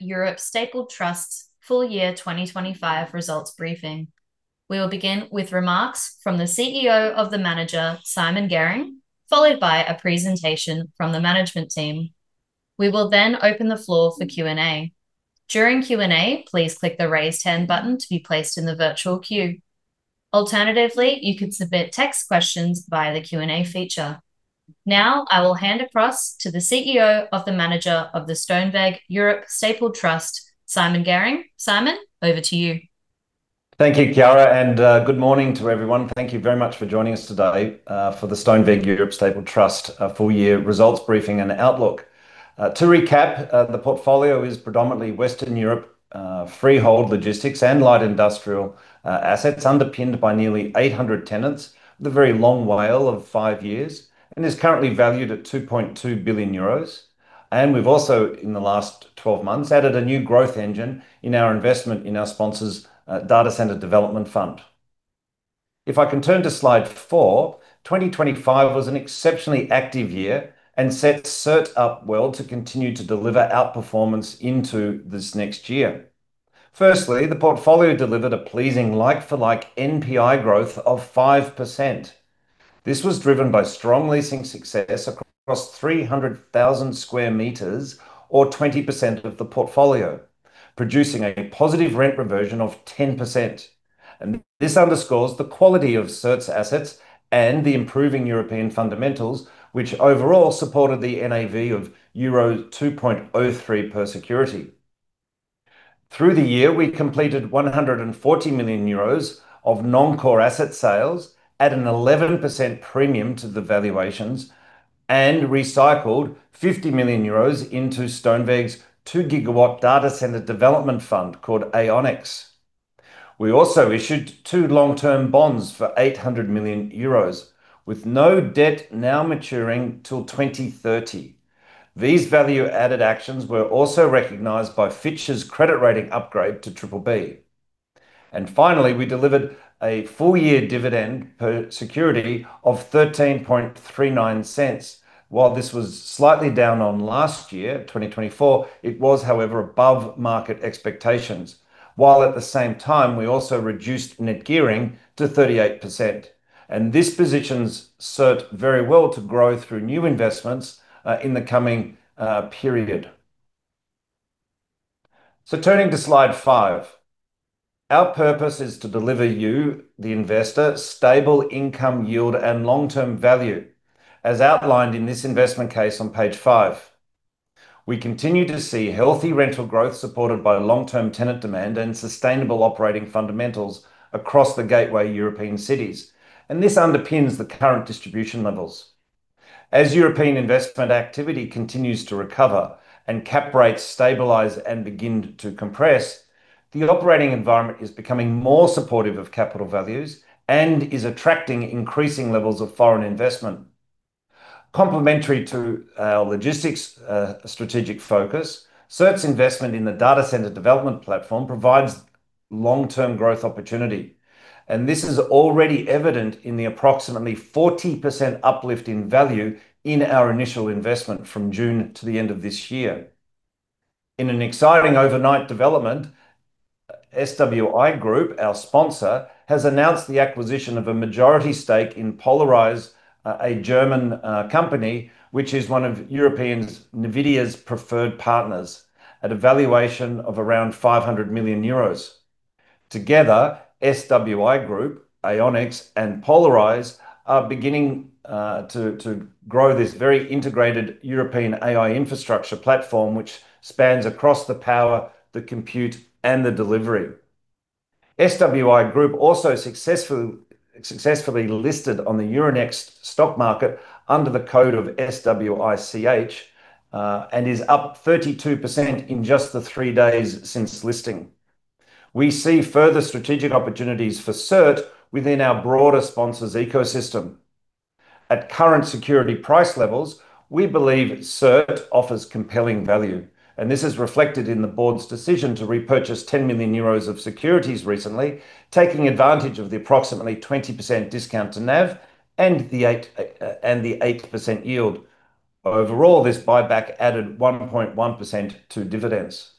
Europe Stapled Trust's full year 2025 results briefing. We will begin with remarks from the CEO of the manager, Simon Garing, followed by a presentation from the management team. We will then open the floor for Q&A. During Q&A, please click the Raise Hand button to be placed in the virtual queue. Alternatively, you could submit text questions via the Q&A feature. I will hand across to the CEO of the manager of the Stoneweg Europe Stapled Trust, Simon Garing. Simon, over to you. Thank you, Kiara, good morning to everyone. Thank you very much for joining us today for the Stoneweg Europe Stapled Trust full year results briefing and outlook. To recap, the portfolio is predominantly Western Europe freehold, logistics, and light industrial assets, underpinned by nearly 800 tenants, with a very long WALE of 5 years, and is currently valued at 2.2 billion euros. We've also, in the last 12 months, added a new growth engine in our investment in our sponsor's data center development fund. If I can turn to slide 4, 2025 was an exceptionally active year and set SERT up well to continue to deliver outperformance into this next year. Firstly, the portfolio delivered a pleasing like-for-like NPI growth of 5%. This was driven by strong leasing success across 300,000 square meters, or 20% of the portfolio, producing a positive rent reversion of 10%. This underscores the quality of SERT's assets and the improving European fundamentals, which overall supported the NAV of euro 2.03 per security. Through the year, we completed 140 million euros of non-core asset sales at an 11% premium to the valuations, and recycled 50 million euros into Stoneweg's 2 GW data center development fund, called AiOnix. We also issued 2 long-term bonds for 800 million euros, with no debt now maturing till 2030. These value-added actions were also recognized by Fitch's credit rating upgrade to BBB. Finally, we delivered a full year dividend per security of 0.1339. While this was slightly down on last year, 2024, it was, however, above market expectations, while at the same time, we also reduced net gearing to 38%. This positions SERT very well to grow through new investments in the coming period. Turning to Slide 5, our purpose is to deliver you, the investor, stable income yield and long-term value, as outlined in this investment case on page 5. We continue to see healthy rental growth, supported by long-term tenant demand and sustainable operating fundamentals across the gateway European cities. This underpins the current distribution levels. As European investment activity continues to recover and cap rates stabilize and begin to compress, the operating environment is becoming more supportive of capital values and is attracting increasing levels of foreign investment. Complementary to our logistics strategic focus, SERT's investment in the data center development platform provides long-term growth opportunity, this is already evident in the approximately 40% uplift in value in our initial investment from June to the end of this year. In an exciting overnight development, SWI Group, our sponsor, has announced the acquisition of a majority stake in Polarix, a German company, which is one of European's NVIDIA's preferred partners, at a valuation of around 500 million euros. Together, SWI Group, AiOnix, and Polarix are beginning to grow this very integrated European AI infrastructure platform, which spans across the power, the compute, and the delivery. SWI Group also successfully listed on the Euronext stock market under the code of SWICH, and is up 32% in just the 3 days since listing. We see further strategic opportunities for SERT within our broader sponsors' ecosystem. At current security price levels, we believe SERT offers compelling value, and this is reflected in the board's decision to repurchase 10 million euros of securities recently, taking advantage of the approximately 20% discount to NAV and the 8% yield. Overall, this buyback added 1.1% to dividends.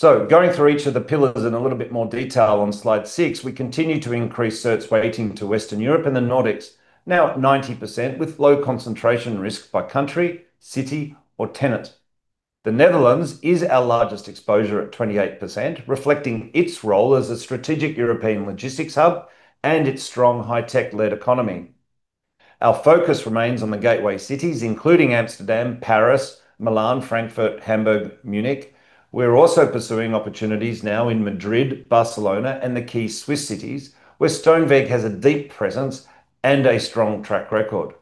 Going through each of the pillars in a little bit more detail, on slide 6, we continue to increase SERT's weighting to Western Europe and the Nordics, now at 90%, with low concentration risk by country, city, or tenant. The Netherlands is our largest exposure at 28%, reflecting its role as a strategic European logistics hub and its strong high-tech-led economy. Our focus remains on the gateway cities, including Amsterdam, Paris, Milan, Frankfurt, Hamburg, Munich. We're also pursuing opportunities now in Madrid, Barcelona, and the key Swiss cities, where Stoneweg has a deep presence and a strong track record.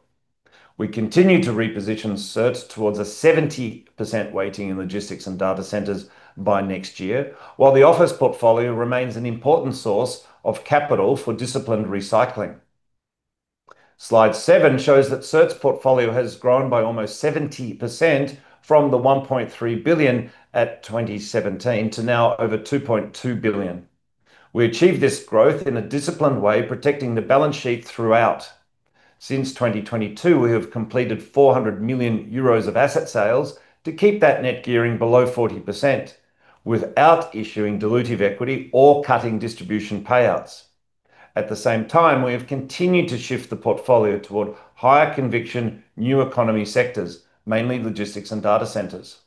We continue to reposition SERT towards a 70% weighting in logistics and data centers by next year, while the office portfolio remains an important source of capital for disciplined recycling. Slide 7 shows that SERT's portfolio has grown by almost 70% from the 1.3 billion at 2017 to now over 2.2 billion. We achieved this growth in a disciplined way, protecting the balance sheet throughout. Since 2022, we have completed 400 million euros of asset sales to keep that net gearing below 40%, without issuing dilutive equity or cutting distribution payouts. At the same time, we have continued to shift the portfolio toward higher conviction, new economy sectors, mainly logistics and data centers.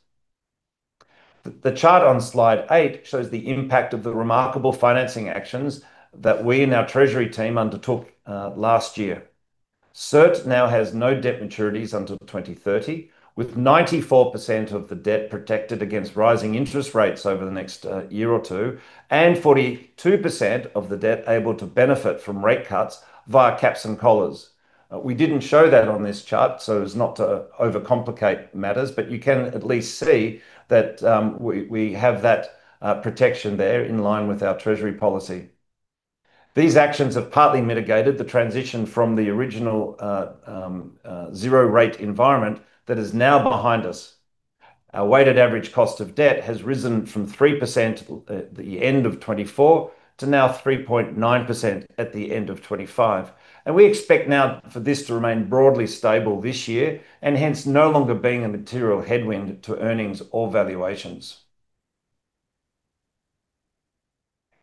The chart on slide 8 shows the impact of the remarkable financing actions that we and our treasury team undertook last year. SERT now has no debt maturities until 2030, with 94% of the debt protected against rising interest rates over the next year or 2, and 42% of the debt able to benefit from rate cuts via caps and collars. We didn't show that on this chart, so as not to overcomplicate matters, but you can at least see that we have that protection there in line with our treasury policy. These actions have partly mitigated the transition from the original zero rate environment that is now behind us. Our weighted average cost of debt has risen from 3% at the end of 2024 to now 3.9% at the end of 2025. We expect now for this to remain broadly stable this year, and hence no longer being a material headwind to earnings or valuations.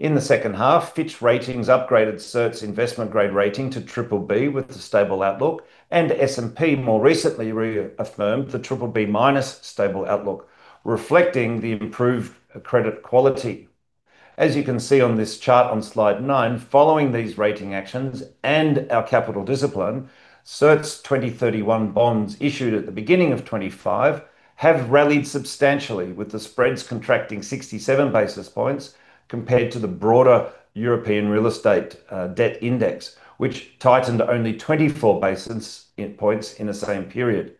In the second half, Fitch Ratings upgraded SERT's investment grade rating to BBB with a stable outlook, and S&P more recently re-affirmed the BBB- stable outlook, reflecting the improved credit quality. As you can see on this chart on Slide 9, following these rating actions and our capital discipline, SERT's 2031 bonds issued at the beginning of 2025, have rallied substantially, with the spreads contracting 67 basis points compared to the broader European real estate debt index, which tightened only 24 basis points in the same period.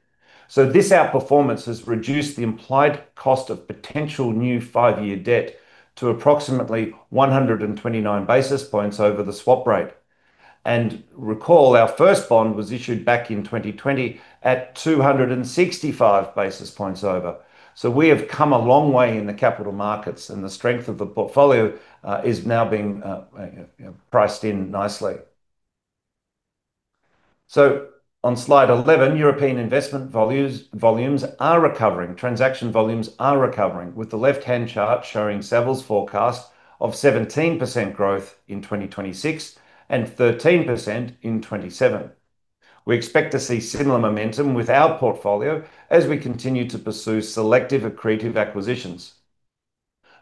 This outperformance has reduced the implied cost of potential new 5-year debt to approximately 129 basis points over the swap rate. Recall, our first bond was issued back in 2020 at 265 basis points over. We have come a long way in the capital markets, and the strength of the portfolio is now being, you know, priced in nicely. On Slide 11, European investment volumes are recovering. Transaction volumes are recovering, with the left-hand chart showing Savills forecast of 17% growth in 2026 and 13% in 2027. We expect to see similar momentum with our portfolio as we continue to pursue selective accretive acquisitions.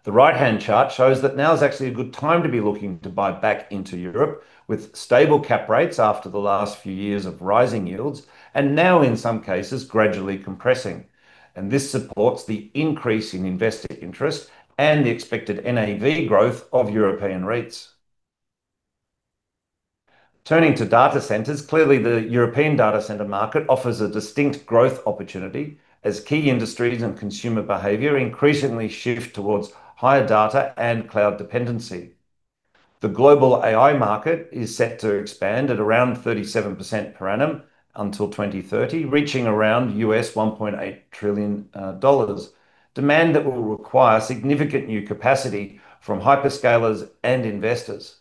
The right-hand chart shows that now is actually a good time to be looking to buy back into Europe, with stable cap rates after the last few years of rising yields, and now, in some cases, gradually compressing. This supports the increase in investor interest and the expected NAV growth of European REITs. Turning to data centers, clearly the European data center market offers a distinct growth opportunity as key industries and consumer behavior increasingly shift towards higher data and cloud dependency. The global AI market is set to expand at around 37% per annum until 2030, reaching around $1.8 trillion, demand that will require significant new capacity from hyperscalers and investors.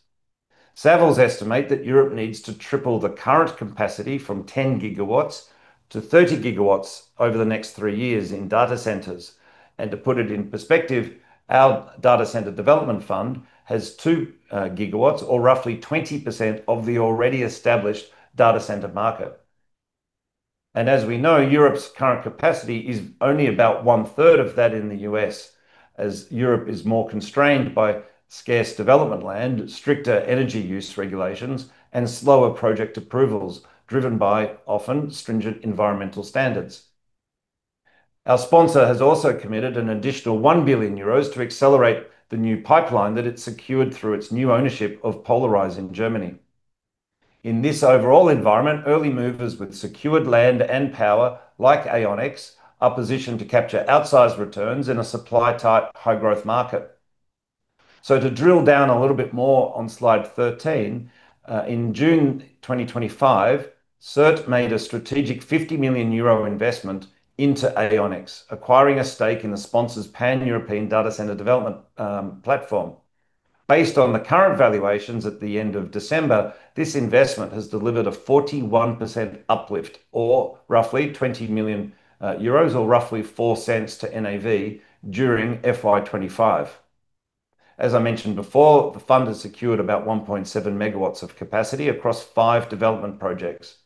Savills estimate that Europe needs to triple the current capacity from 10 gigawatts to 30 gigawatts over the next 3 years in data centers. To put it in perspective, our data center development fund has 2 gigawatts, or roughly 20% of the already established data center market. As we know, Europe's current capacity is only about one-third of that in the US, as Europe is more constrained by scarce development land, stricter energy use regulations, and slower project approvals, driven by often stringent environmental standards. Our sponsor has also committed an additional 1 billion euros to accelerate the new pipeline that it secured through its new ownership of Polarix in Germany. In this overall environment, early movers with secured land and power, like AiOnix, are positioned to capture outsized returns in a supply-tight, high-growth market. To drill down a little bit more on Slide 13, in June 2025, SERT made a strategic 50 million euro investment into AiOnix, acquiring a stake in the sponsor's Pan-European Data Center development platform. Based on the current valuations at the end of December, this investment has delivered a 41% uplift, or roughly 20 million euros, or roughly 0.04 to NAV during FY 2025. As I mentioned before, the fund has secured about 1.7 megawatts of capacity across five development projects,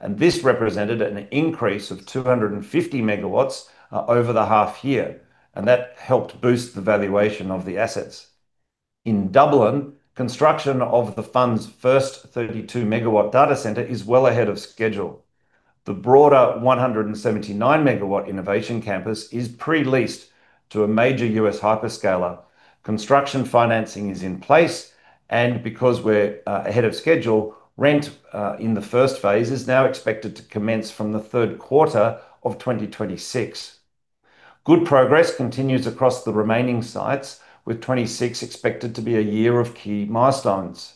and this represented an increase of 250 megawatts over the half year, and that helped boost the valuation of the assets. In Dublin, construction of the fund's first 32-megawatt data center is well ahead of schedule. The broader 179-megawatt innovation campus is pre-leased to a major U.S. hyperscaler. Construction financing is in place, and because we're ahead of schedule, rent in the first phase is now expected to commence from the third quarter of 2026. Good progress continues across the remaining sites, with 2026 expected to be a year of key milestones.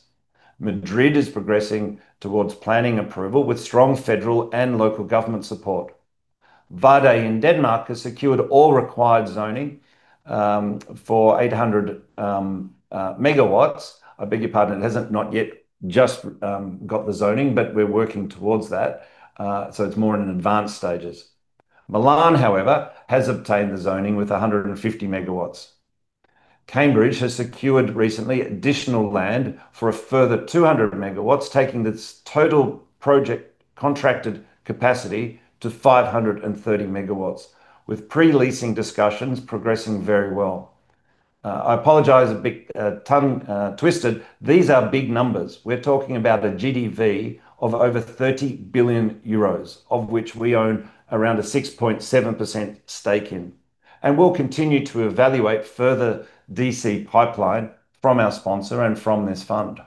Madrid is progressing towards planning approval with strong federal and local government support. Varde in Denmark has secured all required zoning for 800 megawatts. I beg your pardon, it hasn't not yet just got the zoning, but we're working towards that, so it's more in advanced stages. Milan, however, has obtained the zoning with 150 megawatts. Cambridge has secured recently additional land for a further 200 megawatts, taking this total project contracted capacity to 530 megawatts, with pre-leasing discussions progressing very well. I apologize, a big tongue twisted. These are big numbers. We're talking about a GDV of over 30 billion euros, of which we own around a 6.7% stake in. We'll continue to evaluate further DC pipeline from our sponsor and from this fund.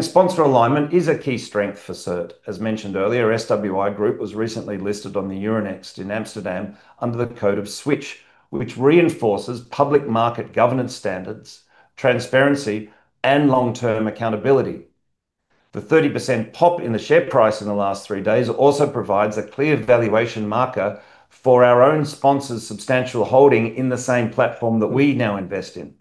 Sponsor alignment is a key strength for SERT. As mentioned earlier, SWI Group was recently listed on the Euronext in Amsterdam under the code of SWICH, which reinforces public market governance standards, transparency, and long-term accountability. The 30% pop in the share price in the last three days also provides a clear valuation marker for our own sponsor's substantial holding in the same platform that we now invest in.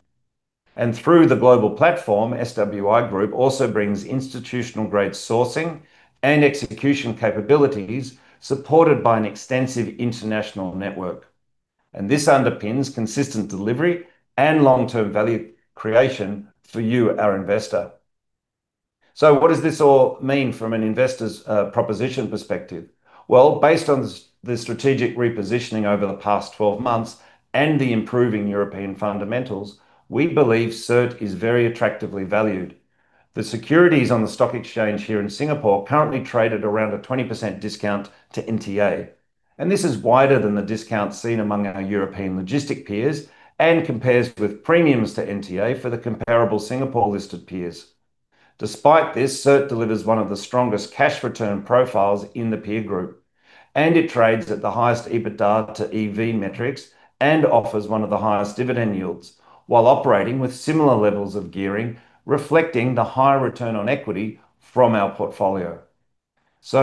Through the global platform, SWI Group also brings institutional-grade sourcing and execution capabilities, supported by an extensive international network. This underpins consistent delivery and long-term value creation for you, our investor. What does this all mean from an investor's proposition perspective? Based on the strategic repositioning over the past 12 months and the improving European fundamentals, we believe SERT is very attractively valued. The securities on the stock exchange here in Singapore currently trade at around a 20% discount to NTA. This is wider than the discount seen among our European logistics peers. Compares with premiums to NTA for the comparable Singapore-listed peers. Despite this, SERT delivers one of the strongest cash return profiles in the peer group. It trades at the highest EBITDA to EV metrics. Offers one of the highest dividend yields, while operating with similar levels of gearing, reflecting the high return on equity from our portfolio.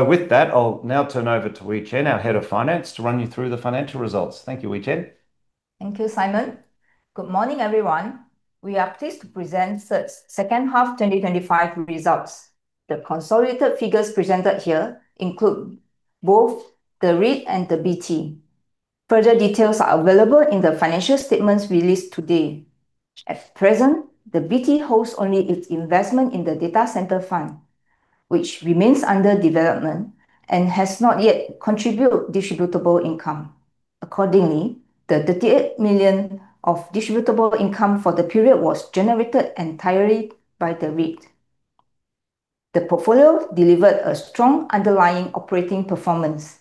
With that, I'll now turn over to Tay Hui Chen, our Head of Finance, to run you through the financial results. Thank you, Tay Hui Chen. Thank you, Simon. Good morning, everyone. We are pleased to present SERT's second half 2025 results. The consolidated figures presented here include both the REIT and the BT. Further details are available in the financial statements released today. At present, the BT holds only its investment in the data center fund, which remains under development and has not yet contributed distributable income. Accordingly, the 38 million of distributable income for the period was generated entirely by the REIT. The portfolio delivered a strong underlying operating performance.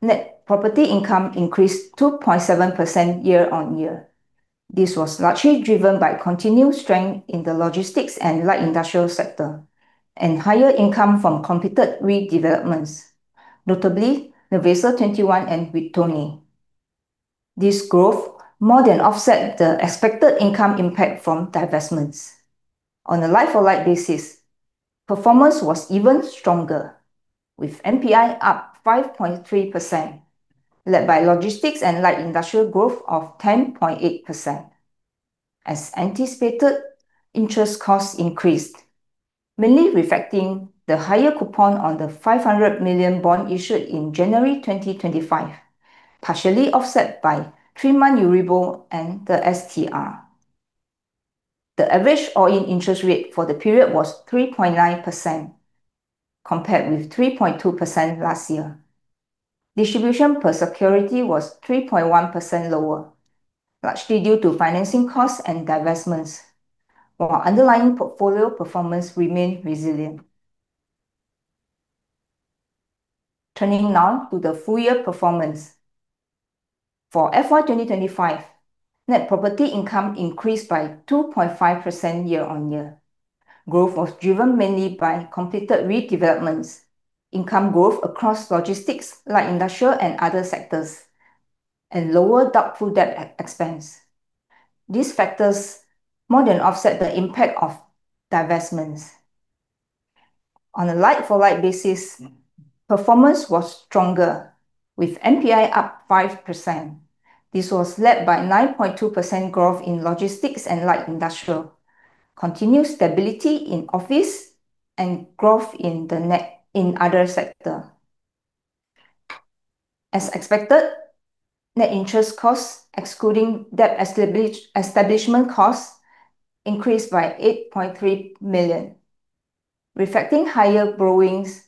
Net property income increased 2.7% year-on-year. This was largely driven by continued strength in the logistics and light industrial sector, and higher income from completed redevelopments, notably the Nervesa 21 and Vittuone. This growth more than offset the expected income impact from divestments. On a like-for-like basis, performance was even stronger, with NPI up 5.3%, led by logistics and light industrial growth of 10.8%. As anticipated, interest costs increased, mainly reflecting the higher coupon on the 500 million bond issued in January 2025, partially offset by 3-month Euribor and the €STR. The average all-in interest rate for the period was 3.9%, compared with 3.2% last year. Distribution per security was 3.1% lower, largely due to financing costs and divestments, while underlying portfolio performance remained resilient. Turning now to the full year performance. For FY 2025, net property income increased by 2.5% year-on-year. Growth was driven mainly by completed redevelopments, income growth across logistics, light industrial and other sectors, and lower doubtful debt expense. These factors more than offset the impact of divestments. On a like-for-like basis, performance was stronger, with NPI up 5%. This was led by 9.2% growth in logistics and light industrial, continued stability in office, and growth in the net in other sector. As expected, net interest costs, excluding debt establishment costs, increased by 8.3 million, reflecting higher borrowings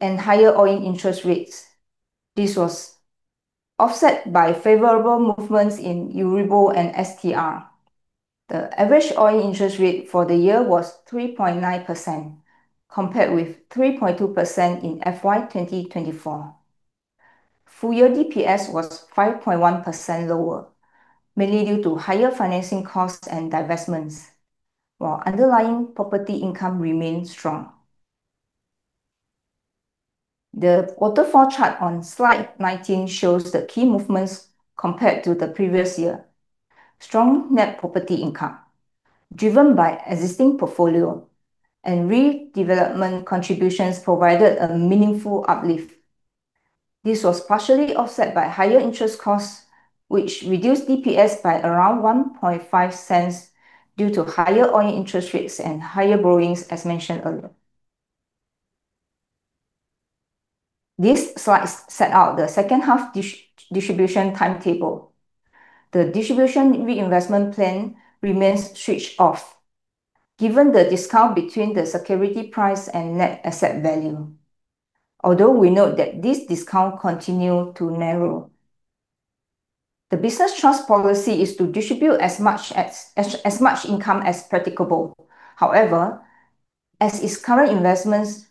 and higher all-in interest rates. This was offset by favorable movements in Euribor and €STR. The average all-in interest rate for the year was 3.9%, compared with 3.2% in FY 2024. Full year DPS was 5.1% lower, mainly due to higher financing costs and divestments, while underlying property income remained strong. The waterfall chart on slide 19 shows the key movements compared to the previous year. Strong net property income, driven by existing portfolio and redevelopment contributions provided a meaningful uplift. This was partially offset by higher interest costs, which reduced DPS by around 0.015 due to higher all-in interest rates and higher borrowings, as mentioned earlier. This slide set out the second half distribution timetable. The distribution reinvestment plan remains switched off, given the discount between the security price and NAV, although we note that this discount continue to narrow. The business trust policy is to distribute as much income as practicable. As its current investments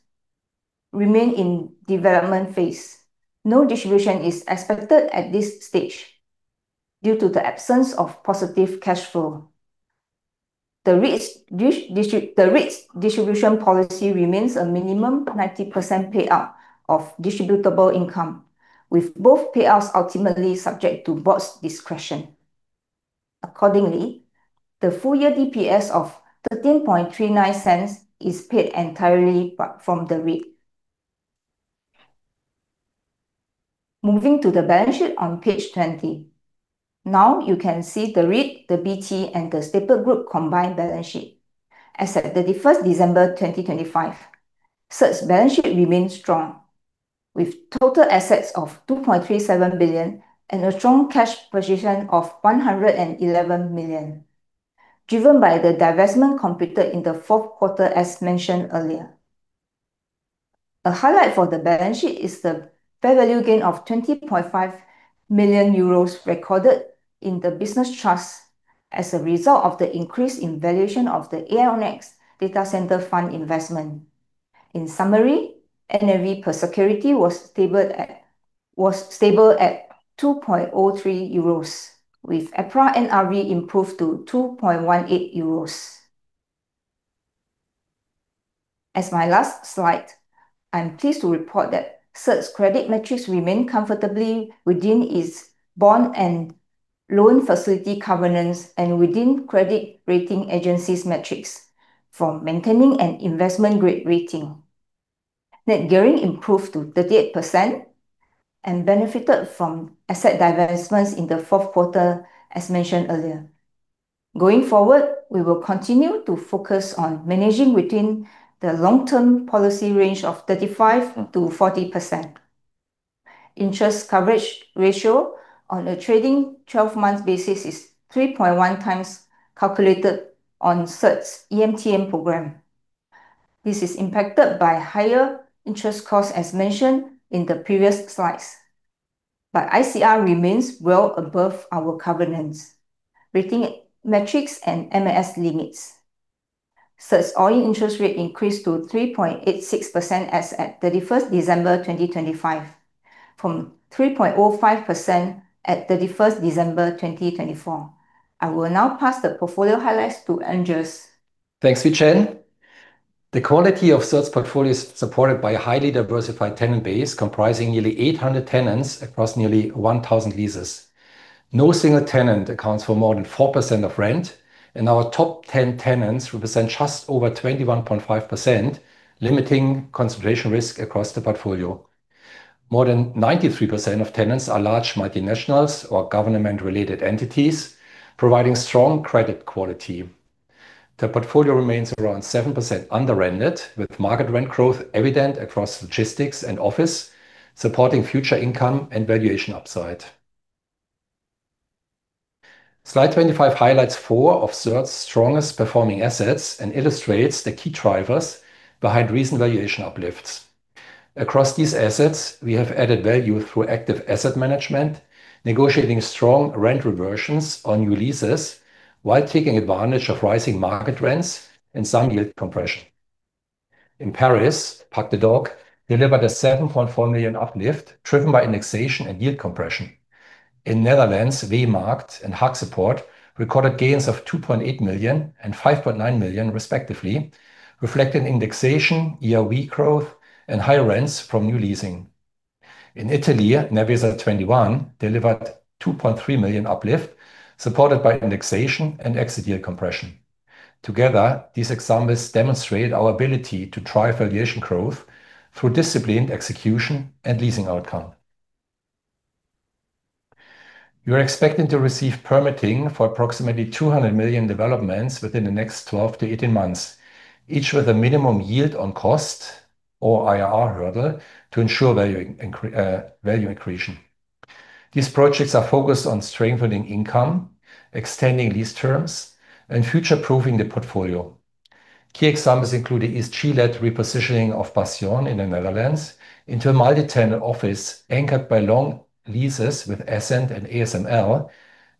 remain in development phase, no distribution is expected at this stage due to the absence of positive cash flow. The REITs distribution policy remains a minimum 90% payout of distributable income, with both payouts ultimately subject to Board's discretion. The full year DPS of 0.1339 is paid entirely but from the REIT. Moving to the balance sheet on page 20. You can see the REIT, the BT, and the Staple Group combined balance sheet. As at 31st December, 2025, such balance sheet remains strong, with total assets of 2.37 billion and a strong cash position of 111 million, driven by the divestment completed in the 4th quarter, as mentioned earlier. A highlight for the balance sheet is the fair value gain of 20.5 million euros recorded in the business trust as a result of the increase in valuation of the AiOnix data center fund investment. In summary, NAV per security was stable at 2.03 euros, with EPRA NAV improved to 2.18 euros. As my last slide, I'm pleased to report that such credit metrics remain comfortably within its bond and loan facility covenants and within credit rating agencies metrics for maintaining an investment grade rating. Net gearing improved to 38% and benefited from asset divestments in the fourth quarter, as mentioned earlier. Going forward, we will continue to focus on managing within the long-term policy range of 35%-40%. Interest coverage ratio on a trailing 12-month basis is 3.1 times calculated on third EMTN program. This is impacted by higher interest costs, as mentioned in the previous slides, but ICR remains well above our covenants, rating metrics, and MAS limits. Such all-in interest rate increased to 3.86% as at 31st December, 2025, from 3.05% at 31st December, 2024. I will now pass the portfolio highlights to Andreas. Thanks, Tay Hui Chen. The quality of third portfolio is supported by a highly diversified tenant base, comprising nearly 800 tenants across nearly 1,000 leases. No single tenant accounts for more than 4% of rent, and our top 10 tenants represent just over 21.5%, limiting concentration risk across the portfolio. More than 93% of tenants are large multinationals or government-related entities, providing strong credit quality. The portfolio remains around 7% under-rented, with market rent growth evident across logistics and office, supporting future income and valuation upside. Slide 25 highlights 4 of third strongest performing assets and illustrates the key drivers behind recent valuation uplifts. Across these assets, we have added value through active asset management, negotiating strong rent reversions on new leases, while taking advantage of rising market rents and some yield compression. In Paris, Parc des Docks delivered a 7.4 million uplift, driven by indexation and yield compression. In Netherlands, WeMarkt and Haagse Poort recorded gains of 2.8 million and 5.9 million, respectively, reflecting indexation, year-over-year growth, and higher rents from new leasing. In Italy, Nervesa 21 delivered 2.3 million uplift, supported by indexation and exit yield compression. Together, these examples demonstrate our ability to drive valuation growth through disciplined execution and leasing outcome. We are expecting to receive permitting for approximately 200 million developments within the next 12 to 18 months, each with a minimum yield on cost or IRR hurdle to ensure value accretion. These projects are focused on strengthening income, extending lease terms, and future-proofing the portfolio. Key examples include the East Chile repositioning of Passione in the Netherlands into a multi-tenant office, anchored by long leases with Essent and ASML,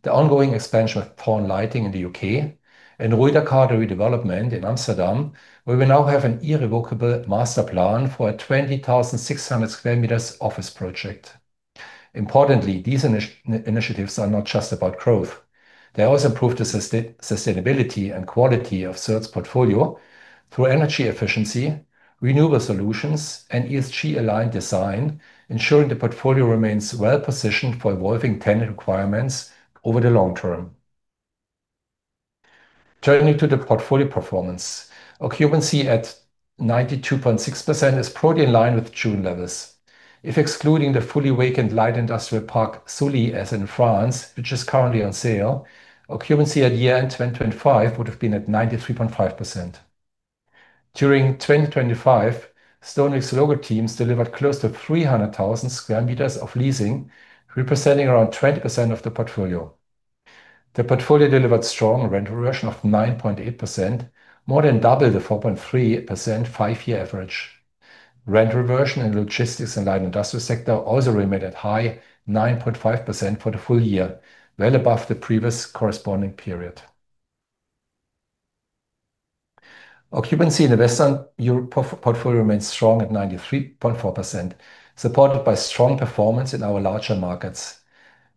the ongoing expansion of Thorn Lighting in the UK, and Roeterseiland redevelopment in Amsterdam, where we now have an irrevocable master plan for a 20,600 square meters office project. Importantly, these initiatives are not just about growth. They also improve the sustainability and quality of third portfolio through energy efficiency, renewable solutions and ESG-aligned design, ensuring the portfolio remains well-positioned for evolving tenant requirements over the long term. Turning to the portfolio performance, occupancy at 92.6% is broadly in line with June levels. If excluding the fully vacant light industrial park, Sully, as in France, which is currently on sale, occupancy at year-end 2025 would have been at 93.5%. During 2025, Stoneweg's local teams delivered close to 300,000 square meters of leasing, representing around 20% of the portfolio. The portfolio delivered strong rent reversion of 9.8%, more than double the 4.3% five-year average. Rent reversion in logistics and light industrial sector also remained at high 9.5% for the full year, well above the previous corresponding period. Occupancy in the Western Europe portfolio remains strong at 93.4%, supported by strong performance in our larger markets.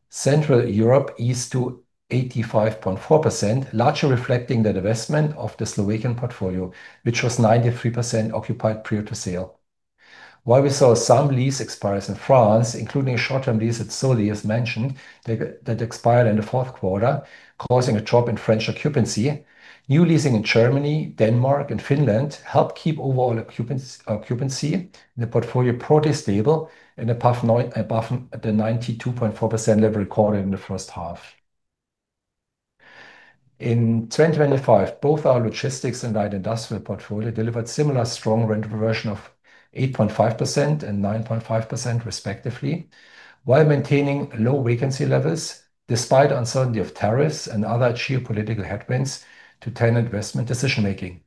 Central Europe is to 85.4%, largely reflecting the divestment of the Slovakian portfolio, which was 93% occupied prior to sale. While we saw some lease expires in France, including a short-term lease at Sully, as mentioned, that expired in the fourth quarter, causing a drop in French occupancy, new leasing in Germany, Denmark, and Finland helped keep overall occupancy in the portfolio pretty stable and above the 92.4% level recorded in the first half. In 2025, both our logistics and light industrial portfolio delivered similar strong rent reversion of 8.5% and 9.5%, respectively, while maintaining low vacancy levels despite the uncertainty of tariffs and other geopolitical headwinds to tenant investment decision-making.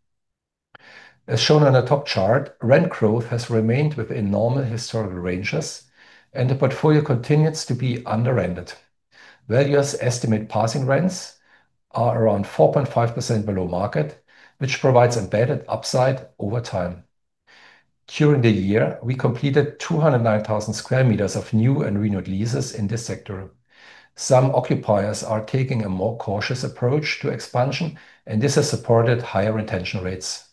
As shown on the top chart, rent growth has remained within normal historical ranges, and the portfolio continues to be under-rented. Valuers estimate passing rents are around 4.5% below market, which provides embedded upside over time. During the year, we completed 209,000 square meters of new and renewed leases in this sector. Some occupiers are taking a more cautious approach to expansion, this has supported higher retention rates.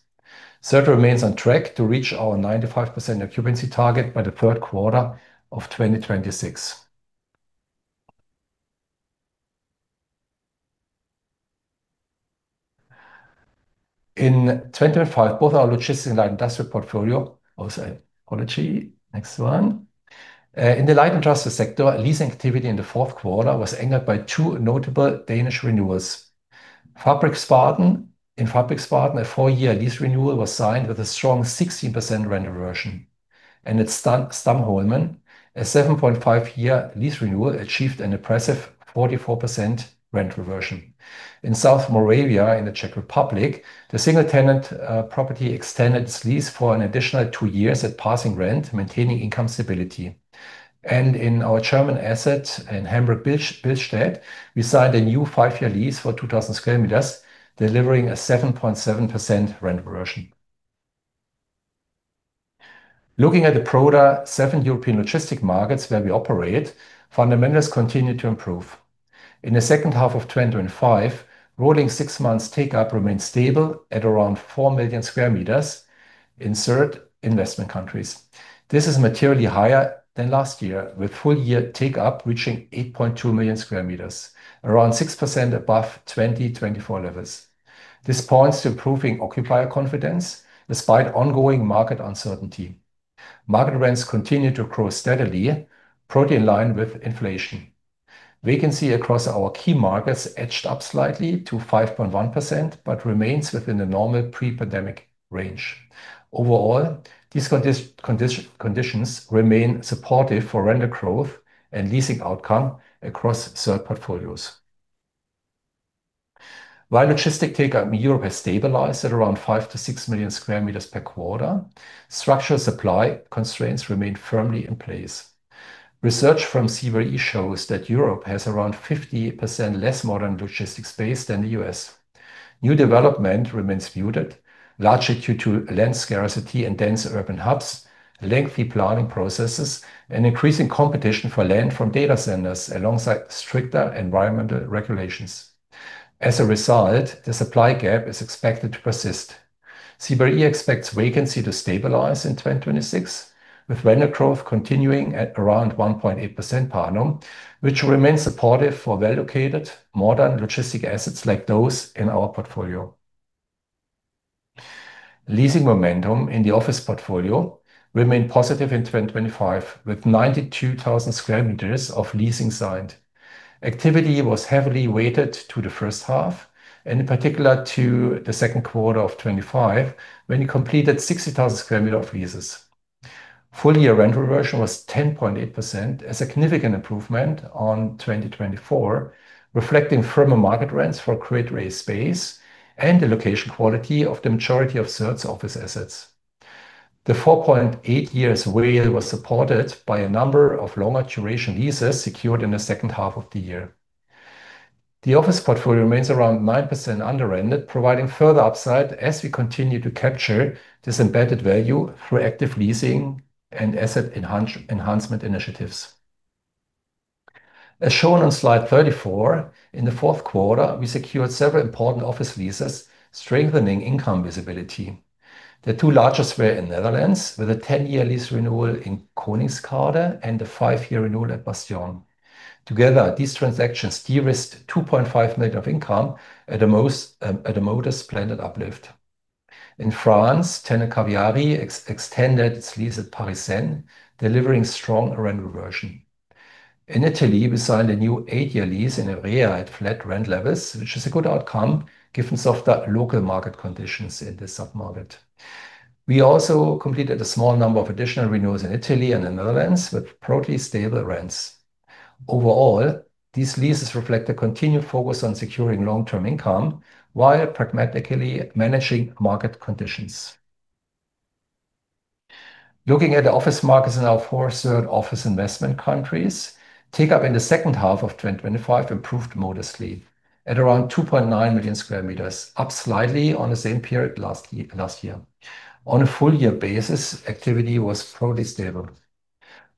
SERT remains on track to reach our 95% occupancy target by the third quarter of 2026. In 2025, both our logistics and light industrial portfolio. Oh, sorry. Apology. Next one. In the light industrial sector, leasing activity in the fourth quarter was anchored by two notable Danish renewals. Fabriksparken. In Fabriksparken, a 4-year lease renewal was signed with a strong 16% rent reversion, at Stamholmen, a 7.5-year lease renewal achieved an impressive 44% rent reversion. In South Moravia, in the Czech Republic, the single tenant property extended its lease for an additional two years at passing rent, maintaining income stability. In our German asset in Hamburg, Billstedt, we signed a new five-year lease for 2,000 square meters, delivering a 7.7% rent reversion. Looking at the broader 7 European logistics markets where we operate, fundamentals continue to improve. In the second half of 2025, rolling 6 months take up remained stable at around 4 million square meters in SERT investment countries. This is materially higher than last year, with full year take up reaching 8.2 million square meters, around 6% above 2024 levels. This points to improving occupier confidence despite ongoing market uncertainty. Market rents continue to grow steadily, broadly in line with inflation. Vacancy across our key markets edged up slightly to 5.1%, but remains within the normal pre-pandemic range. Overall, these conditions remain supportive for rental growth and leasing outcome across SERT portfolios. While logistics take-up in Europe has stabilized at around 5-6 million square meters per quarter, structural supply constraints remain firmly in place. Research from CBRE shows that Europe has around 50% less modern logistics space than the US. New development remains muted, largely due to land scarcity and dense urban hubs, lengthy planning processes, and increasing competition for land from data centers, alongside stricter environmental regulations. As a result, the supply gap is expected to persist. CBRE expects vacancy to stabilize in 2026, with rental growth continuing at around 1.8% per annum, which remains supportive for well-located, modern logistics assets like those in our portfolio. Leasing momentum in the office portfolio remained positive in 2025, with 92,000 square meters of leasing signed. Activity was heavily weighted to the first half, and in particular to the second quarter of 2025, when we completed 60,000 square meter of leases. Full-year rent reversion was 10.8%, a significant improvement on 2024, reflecting firmer market rents for grade-A space and the location quality of the majority of SERT's office assets. The 4.8 years WALE was supported by a number of longer duration leases secured in the second half of the year. The office portfolio remains around 9% under-rented, providing further upside as we continue to capture this embedded value through active leasing and asset enhancement initiatives. As shown on slide 34, in the fourth quarter, we secured several important office leases, strengthening income visibility. The two largest were in The Netherlands, with a 10-year lease renewal in Koninginnegracht and a five-year renewal at Bastion. Together, these transactions de-risked 2.5 million of income at the most, at the modest planned uplift. In France, Kaviari extended its lease at Paryseine, delivering strong rental version. In Italy, we signed a new 8-year lease in area at flat rent levels, which is a good outcome given softer local market conditions in this sub-market. We also completed a small number of additional renewals in Italy and the Netherlands, with broadly stable rents. Overall, these leases reflect a continued focus on securing long-term income while pragmatically managing market conditions. Looking at the office markets in our four third office investment countries, take up in the second half of 2025 improved modestly at around 2.9 million square meters, up slightly on the same period last year. On a full year basis, activity was broadly stable.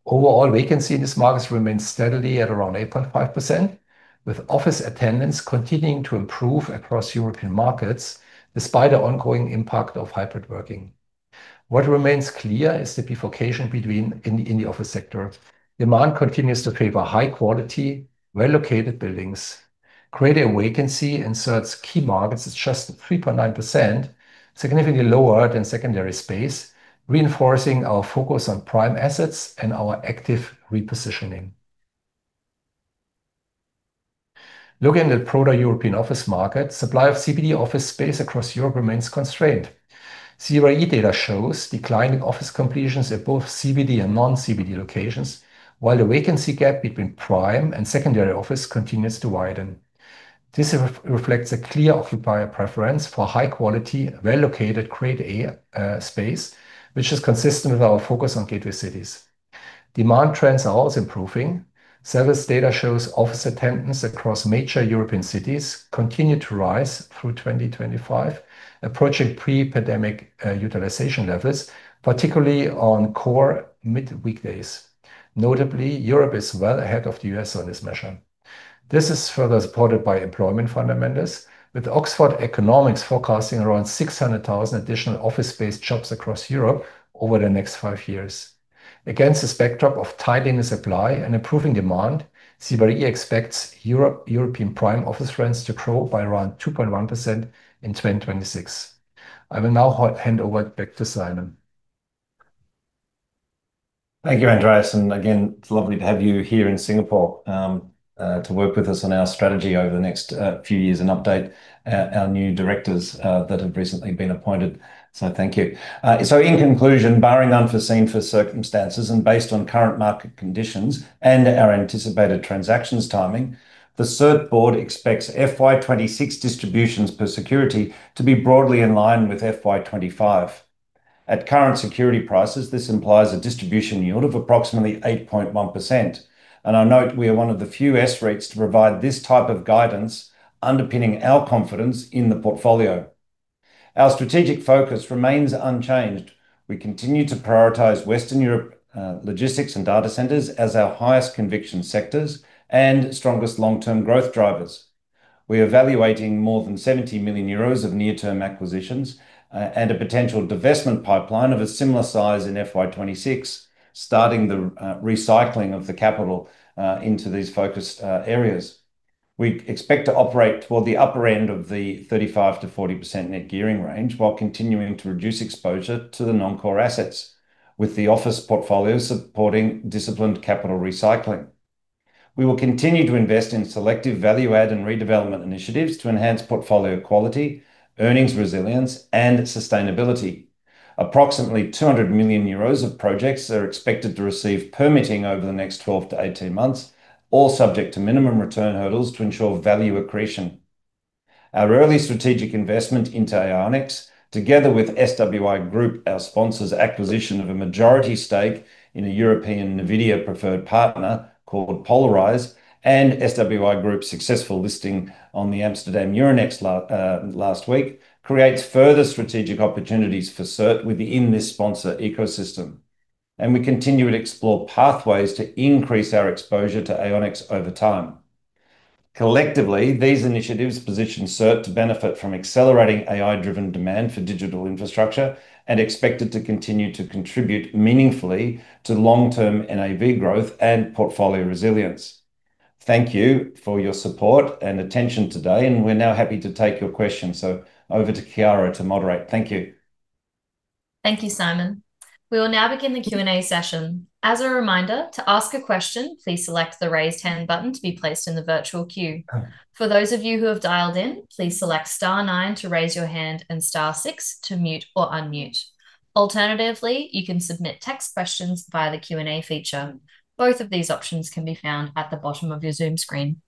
Overall, vacancy in this market remains steadily at around 8.5%, with office attendance continuing to improve across European markets despite the ongoing impact of hybrid working. What remains clear is the bifurcation in the office sector. Demand continues to favor high quality, well-located buildings. Greater vacancy in certain key markets is just 3.9%, significantly lower than secondary space, reinforcing our focus on prime assets and our active repositioning. Looking at the broader European office market, supply of CBD office space across Europe remains constrained. CBRE data shows declining office completions at both CBD and non-CBD locations, while the vacancy gap between prime and secondary office continues to widen. This reflects a clear occupier preference for high quality, well-located, Grade A space, which is consistent with our focus on gateway cities. Demand trends are also improving. Sales data shows office attendance across major European cities continued to rise through 2025, approaching pre-pandemic utilization levels, particularly on core mid-weekdays. Notably, Europe is well ahead of the U.S. on this measure. This is further supported by employment fundamentals, with Oxford Economics forecasting around 600,000 additional office-based jobs across Europe over the next five years. Against the backdrop of tightening supply and improving demand, CBRE expects European prime office rents to grow by around 2.1% in 2026. I will now hand over back to Simon. Thank you, Andreas, again, it's lovely to have you here in Singapore to work with us on our strategy over the next few years and update our new directors that have recently been appointed. Thank you. In conclusion, barring unforeseen for circumstances and based on current market conditions and our anticipated transactions timing, the SERT board expects FY 2026 distributions per security to be broadly in line with FY 2025. At current security prices, this implies a distribution yield of approximately 8.1%, I note we are one of the few S-REITs to provide this type of guidance underpinning our confidence in the portfolio. Our strategic focus remains unchanged. We continue to prioritize Western Europe logistics and data centers as our highest conviction sectors and strongest long-term growth drivers. We're evaluating more than 70 million euros of near-term acquisitions, and a potential divestment pipeline of a similar size in FY 2026, starting the recycling of the capital into these focused areas. We expect to operate toward the upper end of the 35%-40% net gearing range, while continuing to reduce exposure to the non-core assets, with the office portfolio supporting disciplined capital recycling. We will continue to invest in selective value add and redevelopment initiatives to enhance portfolio quality, earnings resilience, and sustainability. Approximately 200 million euros of projects are expected to receive permitting over the next 12-18 months, all subject to minimum return hurdles to ensure value accretion. Our early strategic investment into AiOnix, together with SWI Group, our sponsor's acquisition of a majority stake in a European NVIDIA preferred partner called Polarix, and SWI Group's successful listing on the Amsterdam Euronext last week, creates further strategic opportunities for SERT within this sponsor ecosystem. We continue to explore pathways to increase our exposure to AiOnix over time. Collectively, these initiatives position SERT to benefit from accelerating AI-driven demand for digital infrastructure and expected to continue to contribute meaningfully to long-term NAV growth and portfolio resilience. Thank you for your support and attention today, and we're now happy to take your questions. Over to Kiara to moderate. Thank you. Thank you, Simon. We will now begin the Q&A session. As a reminder, to ask a question, please select the Raise Hand button to be placed in the virtual queue. For those of you who have dialed in, please select star nine to raise your hand and star six to mute or unmute. Alternatively, you can submit text questions via the Q&A feature. Both of these options can be found at the bottom of your Zoom screen.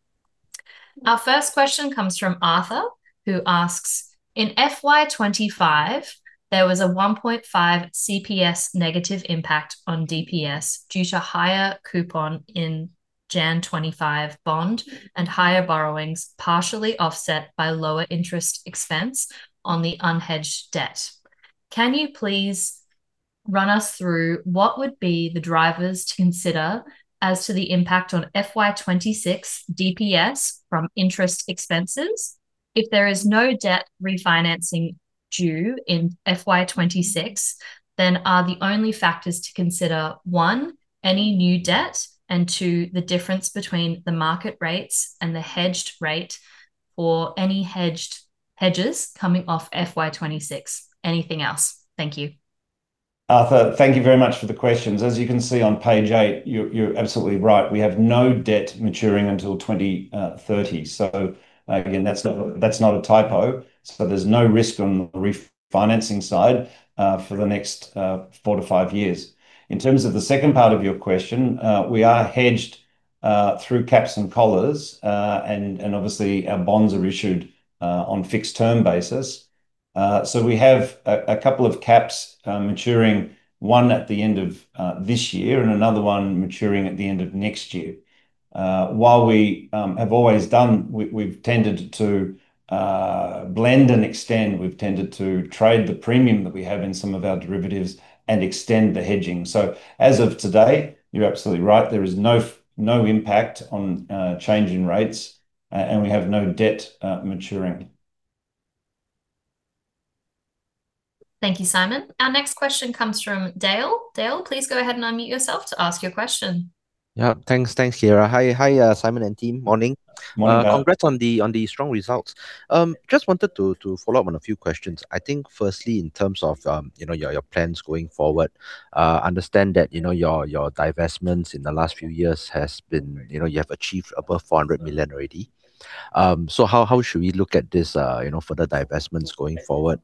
Our first question comes from Arthur, who asks: In FY 2025, there was a 1.5 CPS negative impact on DPS due to higher coupon in Jan 2025 bond and higher borrowings, partially offset by lower interest expense on the unhedged debt. run us through what would be the drivers to consider as to the impact on FY 2026 DPS from interest expenses. If there is no debt refinancing due in FY 2026, are the only factors to consider, one, any new debt, and two, the difference between the market rates and the hedged rate for any hedged hedges coming off FY 2026? Anything else? Thank you. Arthur, thank you very much for the questions. As you can see on page 8, you're absolutely right. We have no debt maturing until 2030. Again, that's not a typo. There's no risk on the refinancing side for the next 4 to 5 years. In terms of the second part of your question, we are hedged through caps and collars, and obviously, our bonds are issued on fixed-term basis. We have a couple of caps maturing, 1 at the end of this year and another one maturing at the end of next year. While we have always done, we've tended to blend and extend, we've tended to trade the premium that we have in some of our derivatives and extend the hedging. As of today, you're absolutely right, there is no impact on changing rates, and we have no debt maturing. Thank you, Simon. Our next question comes from Dale. Dale, please go ahead and unmute yourself to ask your question. Yeah, thanks. Thanks, Kiara. Hi. Hi, Simon and team. Morning. Morning, Dale. Congrats on the strong results. Just wanted to follow up on a few questions. I think firstly, in terms of, you know, your plans going forward, understand that, you know, your divestments in the last few years has been. You know, you have achieved above 400 million already. How should we look at this, you know, further divestments going forward,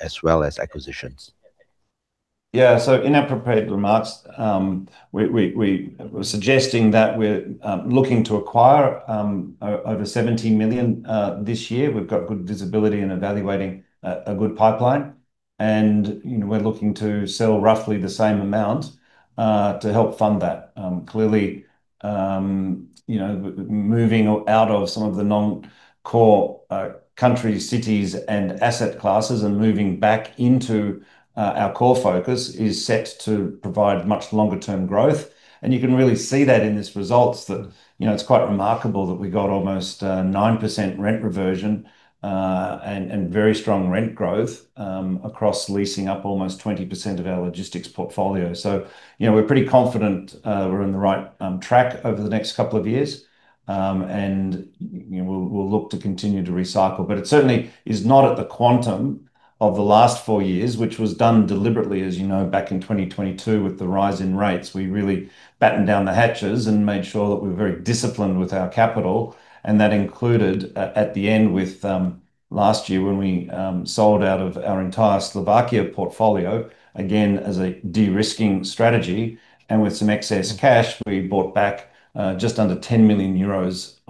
as well as acquisitions? In our prepared remarks, we were suggesting that we're looking to acquire over 17 million this year. We've got good visibility and evaluating a good pipeline, and, you know, we're looking to sell roughly the same amount to help fund that. Clearly, you know, moving out of some of the non-core countries, cities, and asset classes and moving back into our core focus is set to provide much longer-term growth. You can really see that in these results that, you know, it's quite remarkable that we got almost 9% rent reversion and very strong rent growth across leasing up almost 20% of our logistics portfolio. You know, we're pretty confident we're on the right track over the next couple of years. You know, we'll look to continue to recycle. It certainly is not at the quantum of the last four years, which was done deliberately, as you know, back in 2022 with the rise in rates. We really battened down the hatches and made sure that we were very disciplined with our capital, and that included, at the end with, last year, when we sold out of our entire Slovakia portfolio, again, as a de-risking strategy, and with some excess cash, we bought back, just under 10 million euros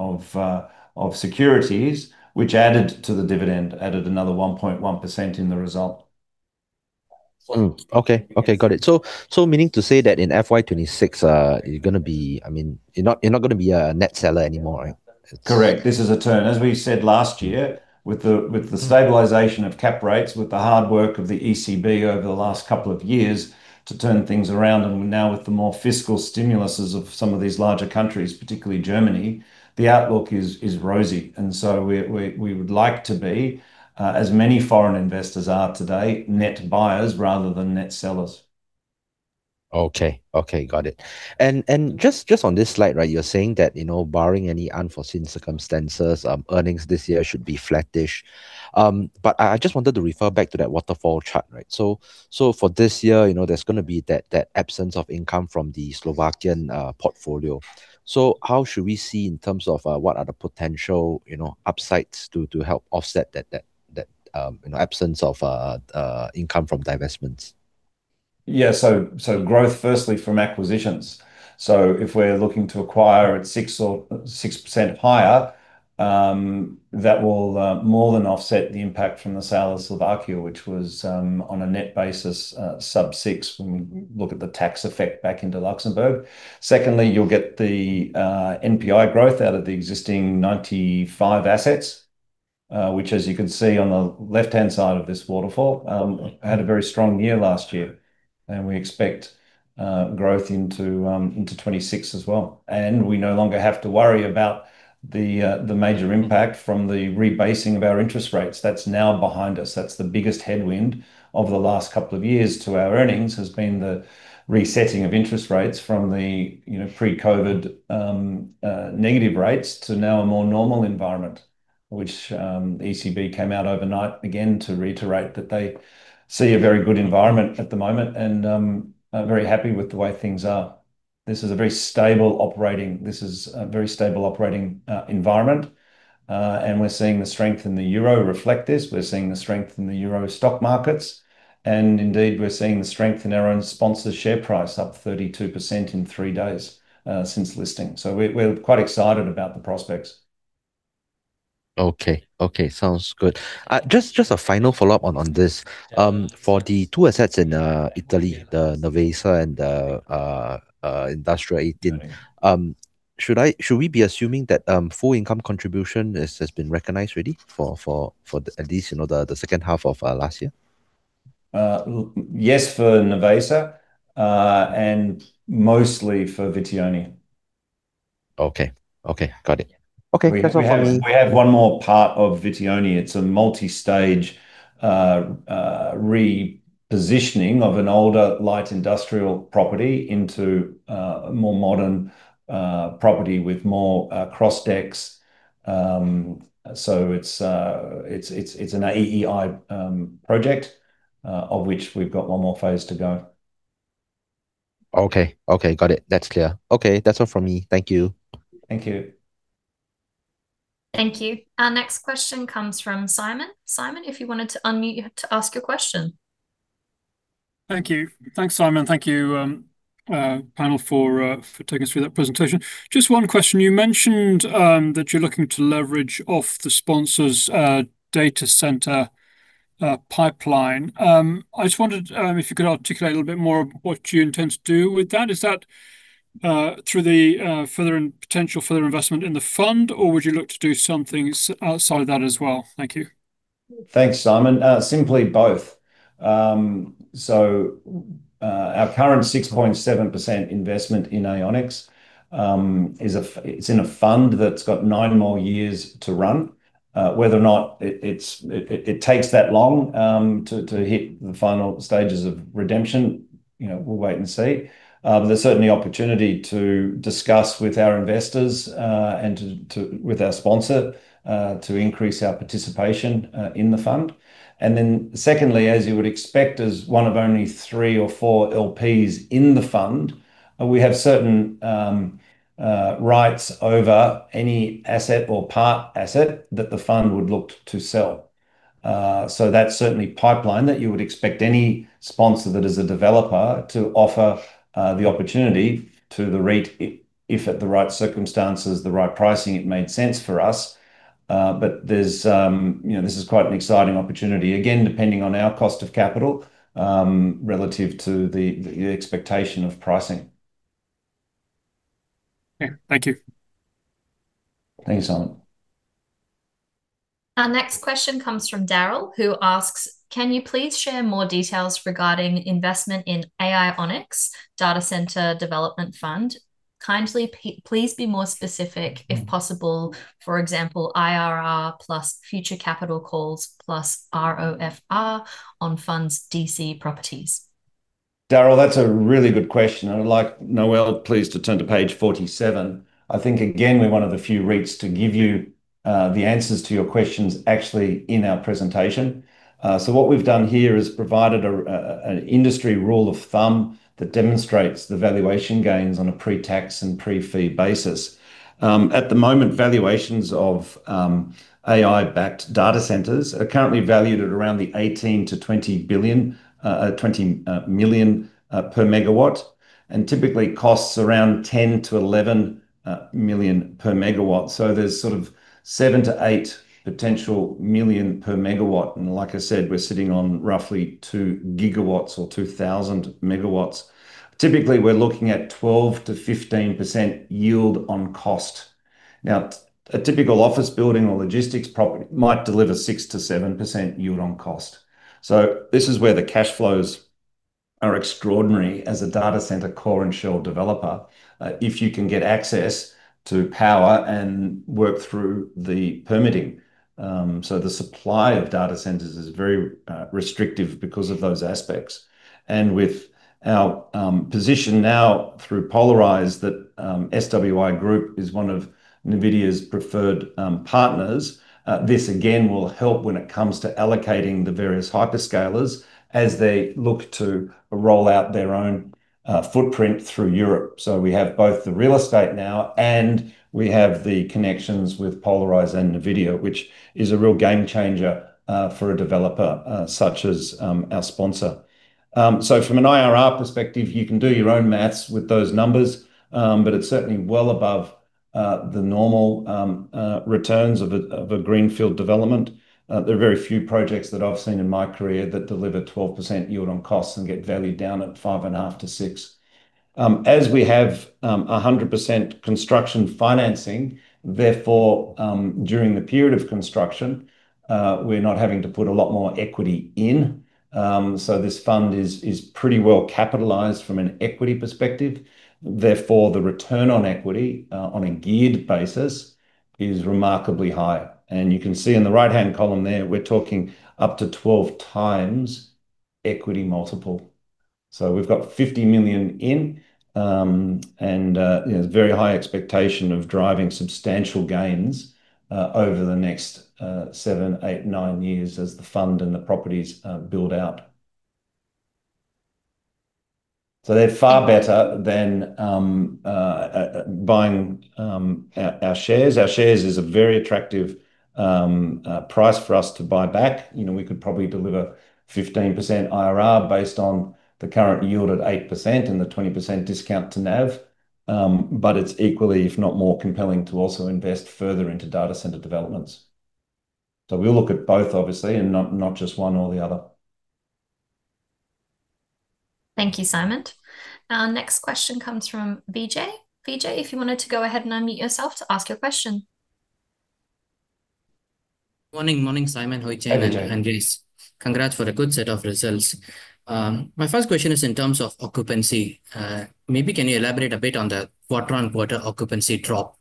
of securities, which added to the dividend, added another 1.1% in the result. Okay. Okay, got it. meaning to say that in FY 2026, I mean, you're not gonna be a net seller anymore, right? Correct. This is a turn, as we said last year, with the stabilization of cap rates, with the hard work of the ECB over the last couple of years to turn things around, and now with the more fiscal stimuluses of some of these larger countries, particularly Germany, the outlook is rosy. We would like to be, as many foreign investors are today, net buyers rather than net sellers. Okay. Okay, got it. just on this slide, right, you're saying that, you know, barring any unforeseen circumstances, earnings this year should be flattish. I just wanted to refer back to that waterfall chart, right? so for this year, you know, there's gonna be that absence of income from the Slovakian portfolio. how should we see in terms of what are the potential, you know, upsides to help offset that, you know, absence of income from divestments? Growth, firstly, from acquisitions. If we're looking to acquire at 6% or 6% higher, that will more than offset the impact from the sale of Slovakia, which was on a net basis, sub 6 when we look at the tax effect back into Luxembourg. Secondly, you'll get the NPI growth out of the existing 95 assets, which, as you can see on the left-hand side of this waterfall, had a very strong year last year, and we expect growth into 2026 as well. We no longer have to worry about the major impact from the rebasing of our interest rates. That's now behind us. That's the biggest headwind over the last couple of years to our earnings, has been the resetting of interest rates from the, you know, pre-COVID, negative rates to now a more normal environment, which, ECB came out overnight again to reiterate that they see a very good environment at the moment and are very happy with the way things are. This is a very stable operating environment, and we're seeing the strength in the euro reflect this. We're seeing the strength in the euro stock markets, and indeed, we're seeing the strength in our own sponsor share price, up 32% in three days, since listing. We're quite excited about the prospects. Okay. Okay, sounds good. Just a final follow-up on this. For the two assets in Italy, the Nervesa and Industrial Italy, should we be assuming that full income contribution has been recognized already for the, at least, you know, the second half of last year? Yes, for Nervesa, and mostly for Vittuone. Okay. Okay, got it. Okay, that's all for me. We have one more part of Vittuone. It's a multi-stage repositioning of an older light industrial property into a more modern property with more cross decks. It's an AEI project of which we've got one more phase to go. Okay. Okay, got it. That's clear. Okay, that's all from me. Thank you. Thank you. Thank you. Our next question comes from Simon. Simon, if you wanted to unmute you to ask your question. Thank you. Thanks, Simon. Thank you, panel, for taking us through that presentation. Just one question. You mentioned that you're looking to leverage off the sponsor's data center pipeline. I just wondered if you could articulate a little bit more what you intend to do with that. Is that through the further and potential further investment in the fund, or would you look to do something outside of that as well? Thank you. Thanks, Simon. Simply both. Our current 6.7% investment in AiOnix is in a fund that's got 9 more years to run. Whether or not it takes that long to hit the final stages of redemption, you know, we'll wait and see. There's certainly opportunity to discuss with our investors and with our sponsor to increase our participation in the fund. Secondly, as you would expect, as one of only 3 or 4 LPs in the fund, we have certain rights over any asset or part asset that the fund would look to sell. That's certainly pipeline, that you would expect any sponsor that is a developer to offer, the opportunity to the REIT, if at the right circumstances, the right pricing, it made sense for us. There's, you know, this is quite an exciting opportunity. Again, depending on our cost of capital, relative to the expectation of pricing. Yeah. Thank you. Thanks, Simon. Our next question comes from Daryl, who asks: Can you please share more details regarding investment in AiOnix Data Center Development Fund? Kindly please be more specific, if possible, for example, IRR plus future capital calls, plus ROFR on funds DC properties. Daryl, that's a really good question. I'd like Nawel please to turn to page 47. I think, again, we're one of the few REITs to give you the answers to your questions actually in our presentation. What we've done here is provided an industry rule of thumb that demonstrates the valuation gains on a pre-tax and pre-fee basis. At the moment, valuations of AI-backed data centers are currently valued at around the 18 billion to 20 billion, 20 million per megawatt, and typically costs around 10 million to 11 million per megawatt. There's sort of 7 million to 8 million potential per megawatt, and like I said, we're sitting on roughly 2 gigawatts or 2,000 megawatts. Typically, we're looking at 12%-15% yield on cost. A typical office building or logistics property might deliver 6%-7% yield on cost. This is where the cash flows are extraordinary as a data center, core and shell developer, if you can get access to power and work through the permitting. The supply of data centers is very restrictive because of those aspects. With our position now through Polarix, that SWI Group is one of NVIDIA's preferred partners, this again, will help when it comes to allocating the various hyperscalers as they look to roll out their own footprint through Europe. We have both the real estate now, and we have the connections with Polarix and NVIDIA, which is a real game changer for a developer such as our sponsor. So from an IRR perspective, you can do your own math with those numbers, but it's certainly well above the normal returns of a greenfield development. There are very few projects that I've seen in my career that deliver 12% yield on costs and get valued down at 5.5%-6%. As we have 100% construction financing, therefore, during the period of construction, we're not having to put a lot more equity in, so this fund is pretty well capitalized from an equity perspective. Therefore, the return on equity, on a geared basis, is remarkably high. You can see in the right-hand column there, we're talking up to 12x equity multiple. We've got 50 million in, you know, very high expectation of driving substantial gains over the next seven, eight, nine years as the fund and the properties build out. They're far better than buying our shares. Our shares is a very attractive price for us to buy back. You know, we could probably deliver 15% IRR based on the current yield at 8% and the 20% discount to NAV, but it's equally, if not more compelling, to also invest further into data center developments. We'll look at both, obviously, and not just one or the other. Thank you, Simon. Our next question comes from Vijay. Vijay, if you wanted to go ahead and unmute yourself to ask your question. Morning, morning, Simon. Hui Chen- Hey, Vijay. Andreas. Congrats for a good set of results. My first question is in terms of occupancy. Maybe can you elaborate a bit on the quarter-on-quarter occupancy drop?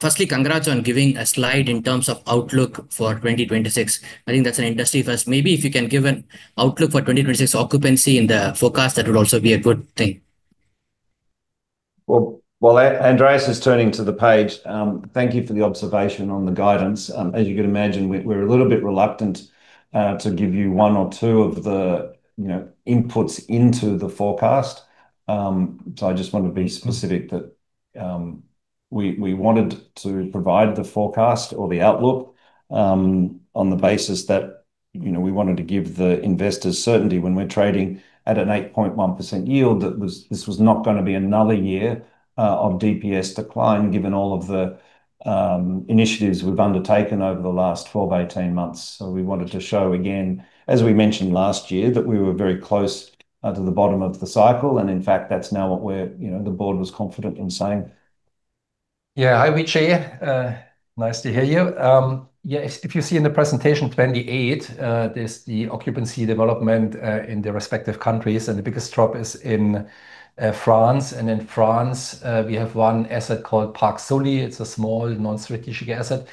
Firstly, congrats on giving a slide in terms of outlook for 2026. I think that's an industry first. Maybe if you can give an outlook for 2026 occupancy in the forecast, that would also be a good thing. Well, while Andreas is turning to the page, thank you for the observation on the guidance. As you can imagine, we're a little bit reluctant to give you one or two of the, you know, inputs into the forecast. I just want to be specific that we wanted to provide the forecast or the outlook on the basis that, you know, we wanted to give the investors certainty when we're trading at an 8.1% yield, this was not going to be another year of DPS decline, given all of the initiatives we've undertaken over the last 12 to 18 months. We wanted to show, again, as we mentioned last year, that we were very close to the bottom of the cycle, and in fact, that's now what we're... You know, the board was confident in saying. Hi, Vijay. Nice to hear you. If you see in the presentation 28, there's the occupancy development in the respective countries, the biggest drop is in France. In France, we have one asset called Parc Soly. It's a small, non-strategic asset,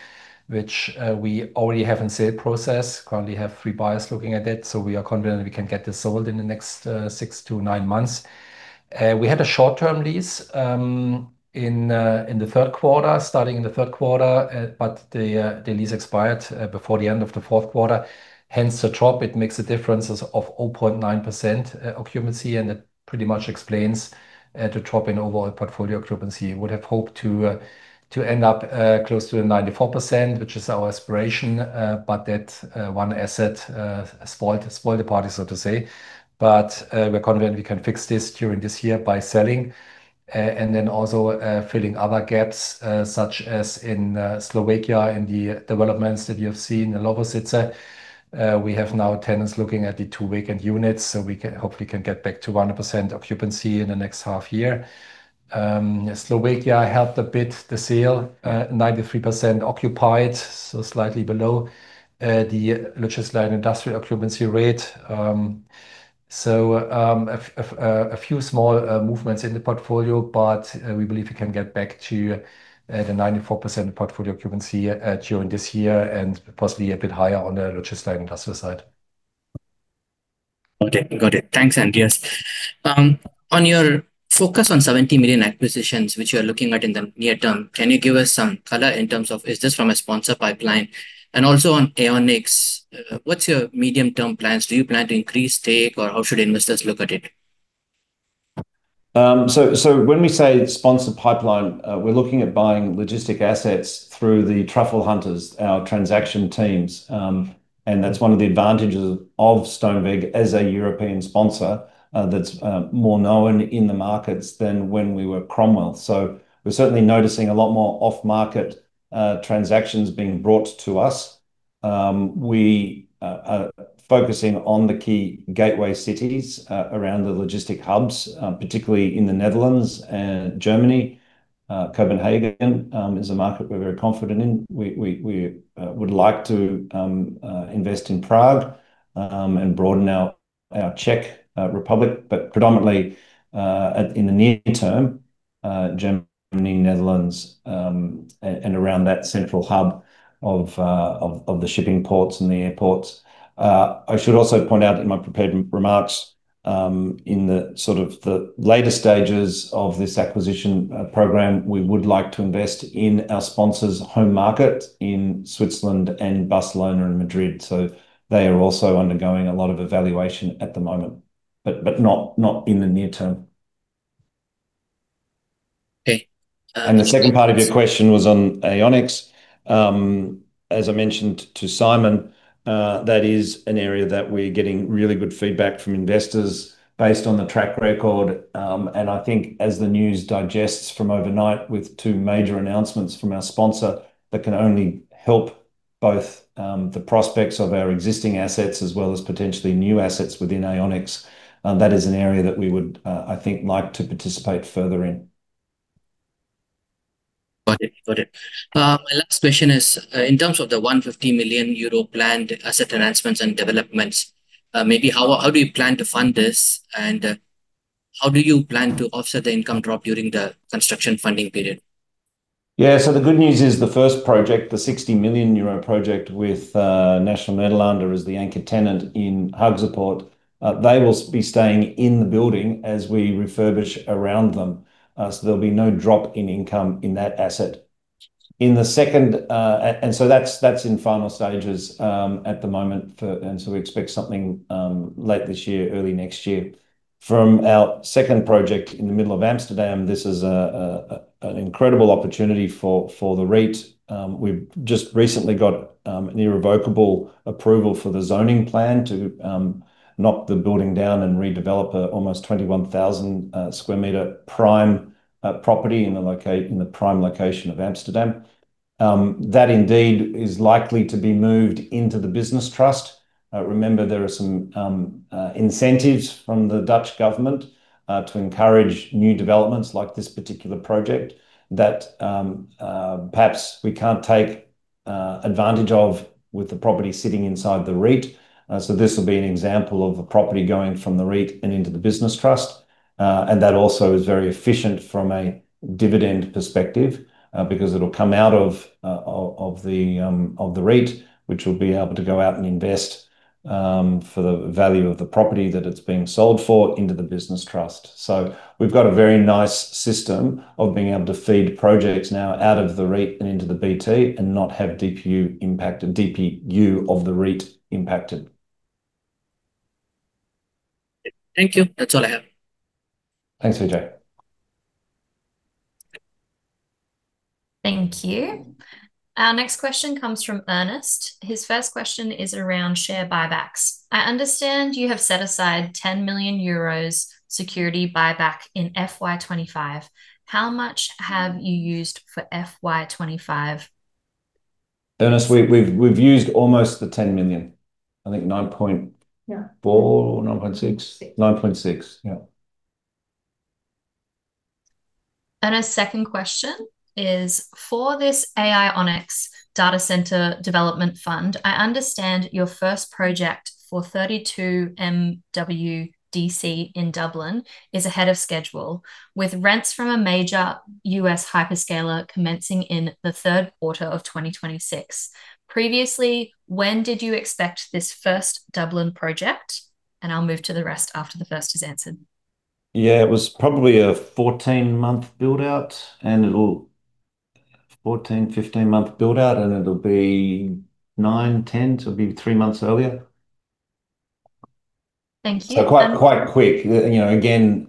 which we already have in sale process. Currently have three buyers looking at it, we are confident we can get this sold in the next 6-9 months. We had a short-term lease in the third quarter, starting in the third quarter, the lease expired before the end of the fourth quarter, hence the drop. It makes a difference of 0.9% occupancy, it pretty much explains the drop in overall portfolio occupancy. Would have hoped to end up close to a 94%, which is our aspiration, but that one asset spoiled the party, so to say. We're confident we can fix this during this year by selling and then also filling other gaps such as in Slovakia, in the developments that you have seen in Lovosice. We have now tenants looking at the two vacant units, so we can hopefully get back to 100% occupancy in the next half year. Slovakia helped a bit, the sale, 93% occupied, so slightly below the logistics and industrial occupancy rate. A few small movements in the portfolio, but we believe we can get back to the 94% portfolio occupancy during this year, and possibly a bit higher on the logistics and industrial side. Okay. Got it. Thanks, Andreas. On your focus on 70 million acquisitions, which you are looking at in the near term, can you give us some color in terms of is this from a sponsor pipeline? Also on AiOnix, what's your medium-term plans? Do you plan to increase stake, or how should investors look at it? When we say sponsor pipeline, we're looking at buying logistics assets through the truffle hunters, our transaction teams. That's one of the advantages of Stoneweg as a European sponsor that's more known in the markets than when we were Cromwell. We're certainly noticing a lot more off-market transactions being brought to us. We are focusing on the key gateway cities around the logistics hubs particularly in the Netherlands and Germany. Copenhagen is a market we're very confident in. We would like to invest in Prague and broaden our Czech Republic, but predominantly in the near term, Germany, Netherlands, and around that central hub of the shipping ports and the airports. I should also point out in my prepared remarks, in the sort of the later stages of this acquisition program, we would like to invest in our sponsor's home market in Switzerland and Barcelona and Madrid, so they are also undergoing a lot of evaluation at the moment, but not in the near term. Okay. The second part of your question was on AiOnix. As I mentioned to Simon, that is an area that we're getting really good feedback from investors based on the track record. I think as the news digests from overnight with 2 major announcements from our sponsor, that can only help both the prospects of our existing assets as well as potentially new assets within AiOnix. That is an area that we would, I think, like to participate further in. Got it. Got it. My last question is, in terms of the 150 million euro planned asset enhancements and developments, maybe how do you plan to fund this, and how do you plan to offset the income drop during the construction funding period? The good news is the first project, the 60 million euro project with Nationale-Nederlanden as the anchor tenant in Haagse Poort, they will be staying in the building as we refurbish around them. There will be no drop in income in that asset. That's in final stages at the moment. We expect something late this year, early next year. From our second project in the middle of Amsterdam, this is an incredible opportunity for the REIT. We've just recently got an irrevocable approval for the zoning plan to knock the building down and redevelop a almost 21,000 sq m prime property in the prime location of Amsterdam. That indeed is likely to be moved into the business trust. Remember there are some incentives from the Dutch government to encourage new developments like this particular project, that perhaps we can't take advantage of with the property sitting inside the REIT. This will be an example of a property going from the REIT and into the business trust. That also is very efficient from a dividend perspective, because it'll come out of the REIT, which will be able to go out and invest for the value of the property that it's being sold for into the business trust. We've got a very nice system of being able to feed projects now out of the REIT and into the BT and not have DPU impacted, DPU of the REIT impacted. Thank you. That's all I have. Thanks, Vijay. Thank you. Our next question comes from Ernest. His first question is around share buybacks. "I understand you have set aside 10 million euros security buyback in FY 2025. How much have you used for FY 2025? Ernest, we've used almost the 10 million. I think nine point 4 or 9.6? Yeah. His second question is: "For this AiOnix Data Centre Development Fund, I understand your first project for 32 MW DC in Dublin is ahead of schedule, with rents from a major US hyperscaler commencing in the third quarter of 2026. Previously, when did you expect this first Dublin project?" I'll move to the rest after the first is answered. Yeah, it was probably a 14-15 month build-out, and it'll be 9-10, so it'll be three months earlier. Thank you. Quite quick. You know, again,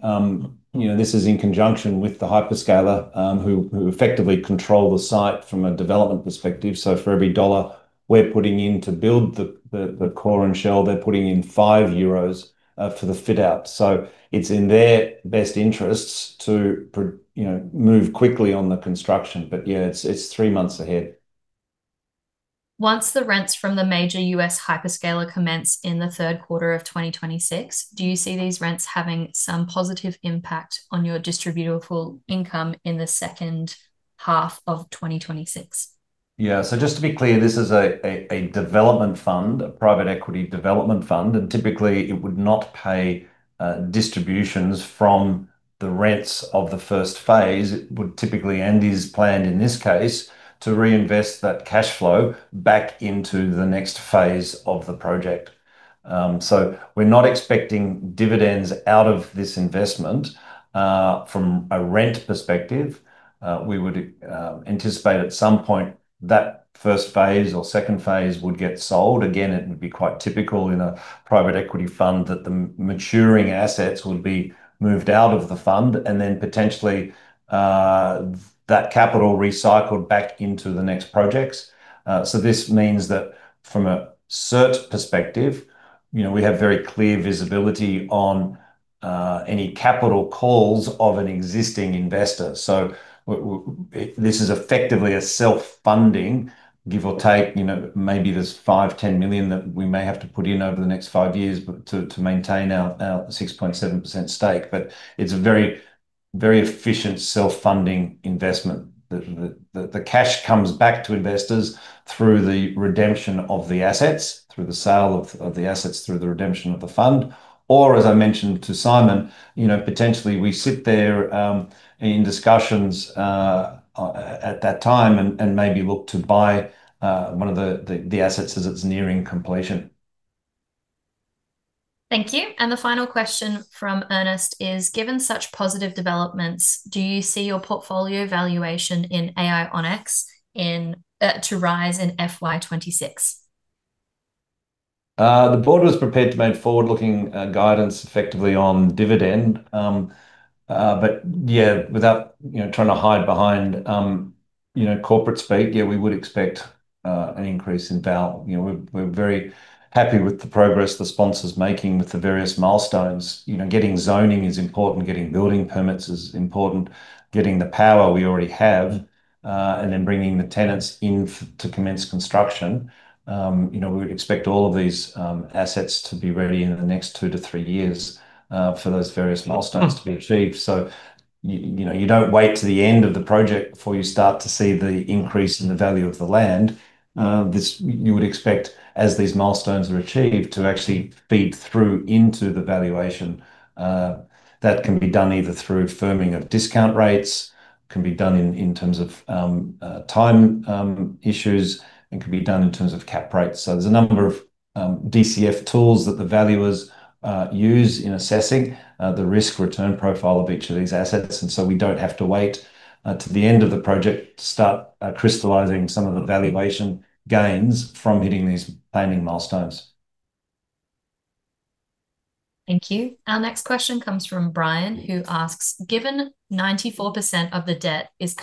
you know, this is in conjunction with the hyperscaler, who effectively control the site from a development perspective. For every dollar we're putting in to build the core and shell, they're putting in 5 euros for the fit-out. It's in their best interests to you know, move quickly on the construction, but yeah, it's three months ahead. Once the rents from the major US hyperscaler commence in the third quarter of 2026, do you see these rents having some positive impact on your distributable income in the second half of 2026? Yeah, just to be clear, this is a development fund, a private equity development fund, typically it would not pay distributions from the rents of the first phase. It would typically, and is planned in this case, to reinvest that cash flow back into the next phase of the project. We're not expecting dividends out of this investment. From a rent perspective, we would anticipate at some point that first phase or second phase would get sold. Again, it would be quite typical in a private equity fund that the maturing assets would be moved out of the fund, and then potentially that capital recycled back into the next projects. This means that from a SERT perspective, you know, we have very clear visibility on any capital calls of an existing investor. This is effectively a self-funding, give or take, you know, maybe there's 5, 10 million that we may have to put in over the next 5 years, to maintain our 6.7% stake. It's a very, very efficient self-funding investment, that the cash comes back to investors through the redemption of the assets, through the sale of the assets, through the redemption of the fund. As I mentioned to Simon, you know, potentially we sit there in discussions at that time and maybe look to buy one of the assets as it's nearing completion. Thank you. The final question from Ernest is: "Given such positive developments, do you see your portfolio valuation in AiOnix in to rise in FY 2026? The board was prepared to make forward-looking guidance effectively on dividend. Without, you know, trying to hide behind, you know, corporate speak, yeah, we would expect an increase in. You know, we're very happy with the progress the sponsor's making with the various milestones. You know, getting zoning is important, getting building permits is important, getting the power we already have, and then bringing the tenants in to commence construction. You know, we expect all of these assets to be ready in the next two to three years, for those various milestones. to be achieved. You know, you don't wait to the end of the project before you start to see the increase in the value of the land. This, you would expect, as these milestones are achieved, to actually feed through into the valuation. That can be done either through firming of discount rates, can be done in terms of time issues, and can be done in terms of cap rates. There's a number of DCF tools that the valuers use in assessing the risk-return profile of each of these assets. We don't have to wait to the end of the project to start crystallizing some of the valuation gains from hitting these planning milestones. Thank you. Our next question comes from Brian, who asks: "Given 94% of the debt is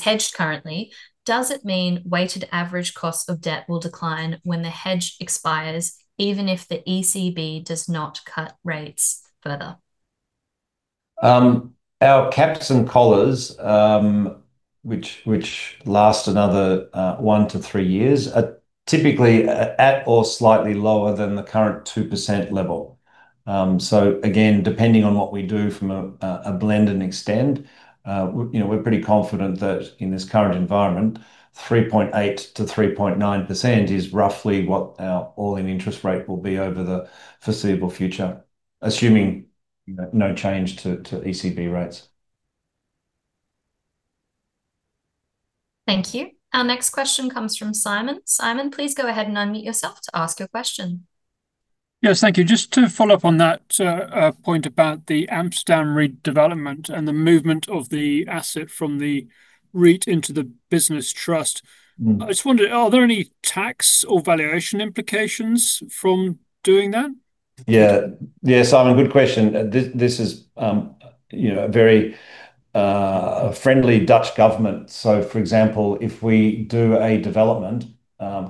hedged currently, does it mean weighted average cost of debt will decline when the hedge expires, even if the ECB does not cut rates further? Our caps and collars, which last another, 1-3 years, are typically at or slightly lower than the current 2% level. Again, depending on what we do from a blend and extend, we, you know, we're pretty confident that in this current environment, 3.8%-3.9% is roughly what our all-in interest rate will be over the foreseeable future, assuming, you know, no change to ECB rates. Thank you. Our next question comes from Simon. Simon, please go ahead and unmute yourself to ask your question. Yes, thank you. Just to follow up on that point about the Amsterdam redevelopment and the movement of the asset from the REIT into the business trust. I just wondered, are there any tax or valuation implications from doing that? Yeah. Yeah, Simon, good question. This is, you know, a very friendly Dutch government. For example, if we do a development,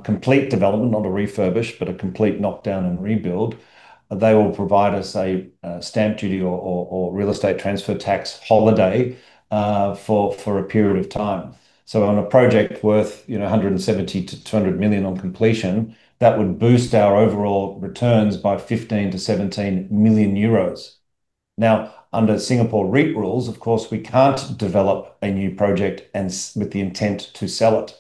complete development, not a refurbish, but a complete knockdown and rebuild, they will provide us a stamp duty or real estate transfer tax holiday for a period of time. On a project worth, you know, 170 million-200 million on completion, that would boost our overall returns by 15 million-17 million euros. Now, under Singapore REIT rules, of course, we can't develop a new project and with the intent to sell it.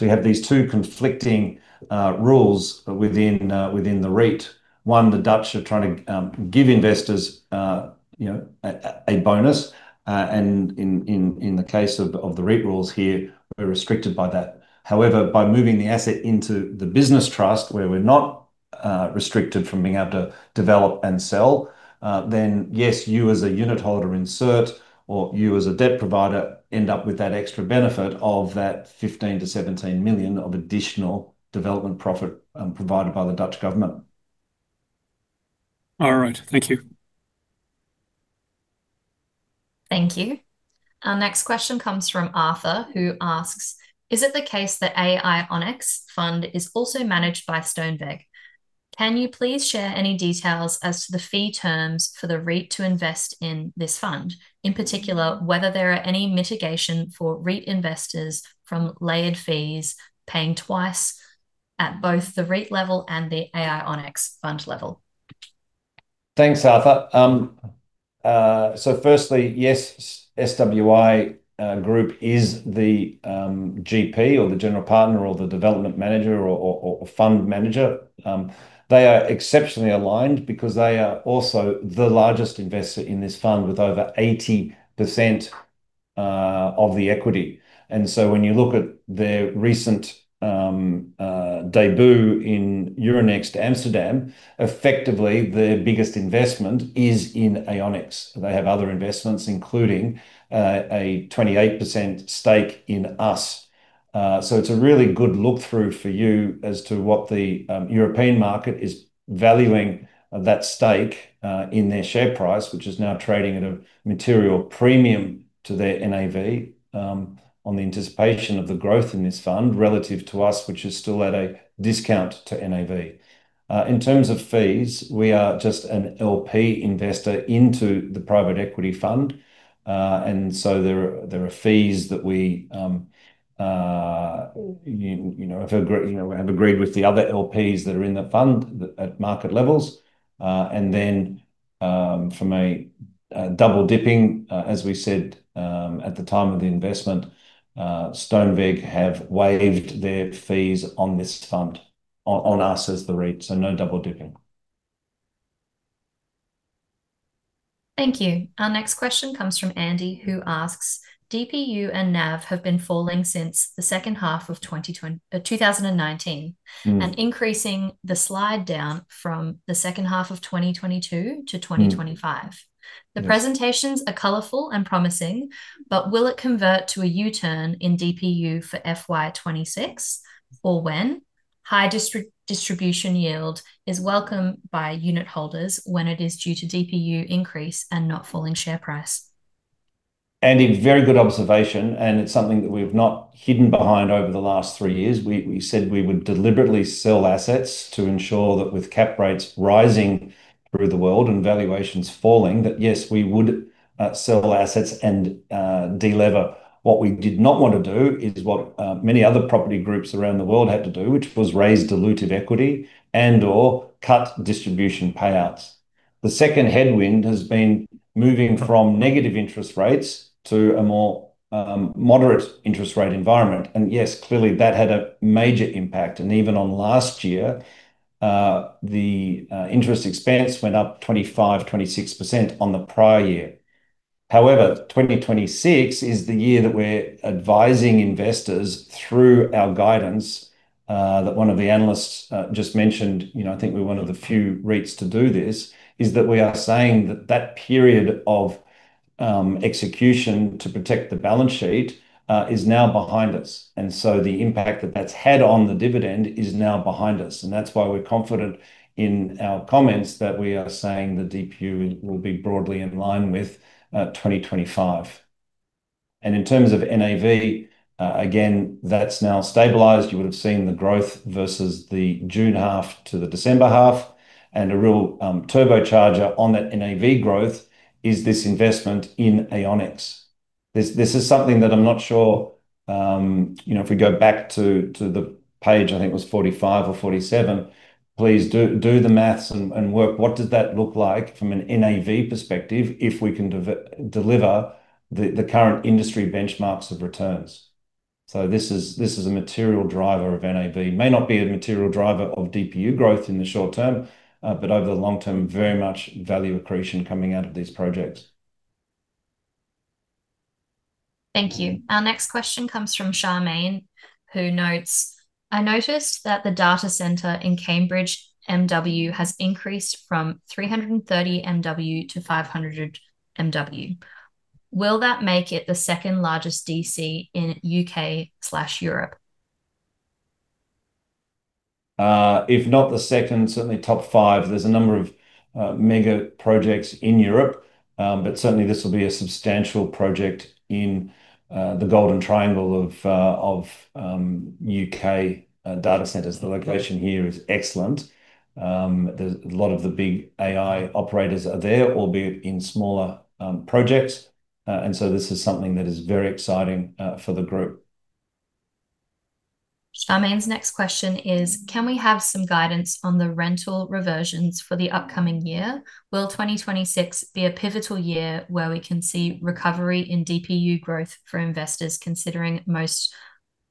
We have these two conflicting rules within the REIT. One, the Dutch are trying to give investors, you know, a bonus. In the case of the REIT rules here, we're restricted by that. However, by moving the asset into the business trust, where we're not restricted from being able to develop and sell, then yes, you as a unit holder in SERT or you as a debt provider, end up with that extra benefit of that 15 million-17 million of additional development profit, provided by the Dutch government. All right. Thank you. Thank you. Our next question comes from Arthur, who asks: Is it the case that AiOnix fund is also managed by Stoneweg? Can you please share any details as to the fee terms for the REIT to invest in this fund? In particular, whether there are any mitigation for REIT investors from layered fees paying twice at both the REIT level and the AiOnix fund level. Thanks, Arthur. Firstly, yes, SWI Group is the GP, or the general partner, or the development manager, or fund manager. They are exceptionally aligned because they are also the largest investor in this fund, with over 80% of the equity. So when you look at their recent debut in Euronext Amsterdam, effectively, their biggest investment is in AiOnix. They have other investments, including a 28% stake in us. It's a really good look through for you as to what the European market is valuing that stake in their share price, which is now trading at a material premium to their NAV on the anticipation of the growth in this fund relative to us, which is still at a discount to NAV. In terms of fees, we are just an LP investor into the private equity fund, there are fees that we, you know, have agreed with the other LPs that are in the fund at market levels. From a double dipping, as we said, at the time of the investment, Stoneweg have waived their fees on this fund, on us as the REIT, so no double dipping. Thank you. Our next question comes from Andy, who asks: DPU and NAV have been falling since the second half of 2019 increasing the slide down from the second half of 2022 to 2025. The presentations are colorful and promising, but will it convert to a U-turn in DPU for FY 2026, or when? High distribution yield is welcome by unit holders when it is due to DPU increase and not falling share price. Andy, very good observation, it's something that we've not hidden behind over the last three years. We said we would deliberately sell assets to ensure that with cap rates rising through the world and valuations falling, that yes, we would sell assets and de-lever. What we did not want to do is what many other property groups around the world had to do, which was raise dilutive equity and/or cut distribution payouts. The second headwind has been moving from negative interest rates to a more moderate interest rate environment. Yes, clearly, that had a major impact. Even on last year, the interest expense went up 25%, 26% on the prior year. 2026 is the year that we're advising investors through our guidance, that one of the analysts just mentioned, you know, I think we're one of the few REITs to do this, is that we are saying that that period of execution to protect the balance sheet is now behind us. The impact that that's had on the dividend is now behind us, and that's why we're confident in our comments that we are saying the DPU will be broadly in line with 2025. In terms of NAV, again, that's now stabilized. You would have seen the growth versus the June half to the December half, and a real turbocharger on that NAV growth is this investment in AiOnix. This is something that I'm not sure, you know, if we go back to the page, I think it was 45 or 47, please do the maths and work what does that look like from an NAV perspective if we can deliver the current industry benchmarks of returns? This is a material driver of NAV. May not be a material driver of DPU growth in the short term, but over the long term, very much value accretion coming out of these projects. Thank you. Our next question comes from Charmaine, who notes: "I noticed that the data center in Cambridge, MW, has increased from 330 MW to 500 MW. Will that make it the second largest DC in UK/Europe? If not the second, certainly top 5. There's a number of mega projects in Europe, but certainly this will be a substantial project in the golden triangle of UK data centers. The location here is excellent. There's a lot of the big AI operators are there, albeit in smaller projects, and so this is something that is very exciting for the group. Charmaine's next question is: "Can we have some guidance on the rental reversions for the upcoming year? Will 2026 be a pivotal year where we can see recovery in DPU growth for investors, considering most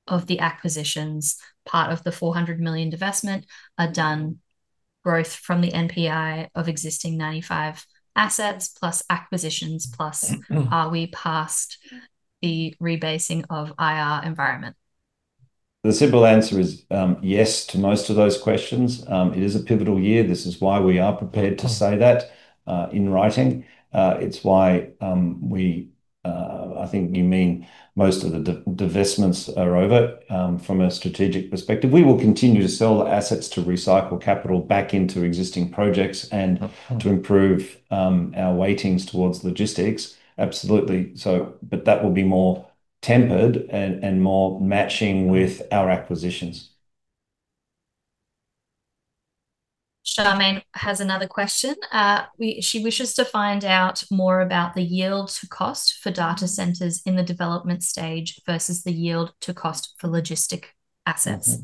of the acquisitions, part of the 400 million divestment are done, growth from the NPI of existing 95 assets, plus acquisitions, plus, are we past the rebasing of IR environment? The simple answer is, yes to most of those questions. It is a pivotal year. This is why we are prepared to say that, in writing. It's why, we, I think you mean most of the divestments are over, from a strategic perspective. We will continue to sell the assets to recycle capital back into existing projects and to improve, our weightings towards logistics. Absolutely. But that will be more tempered and more matching with our acquisitions. Charmaine has another question. She wishes to find out more about the yield to cost for data centers in the development stage versus the yield to cost for logistics assets.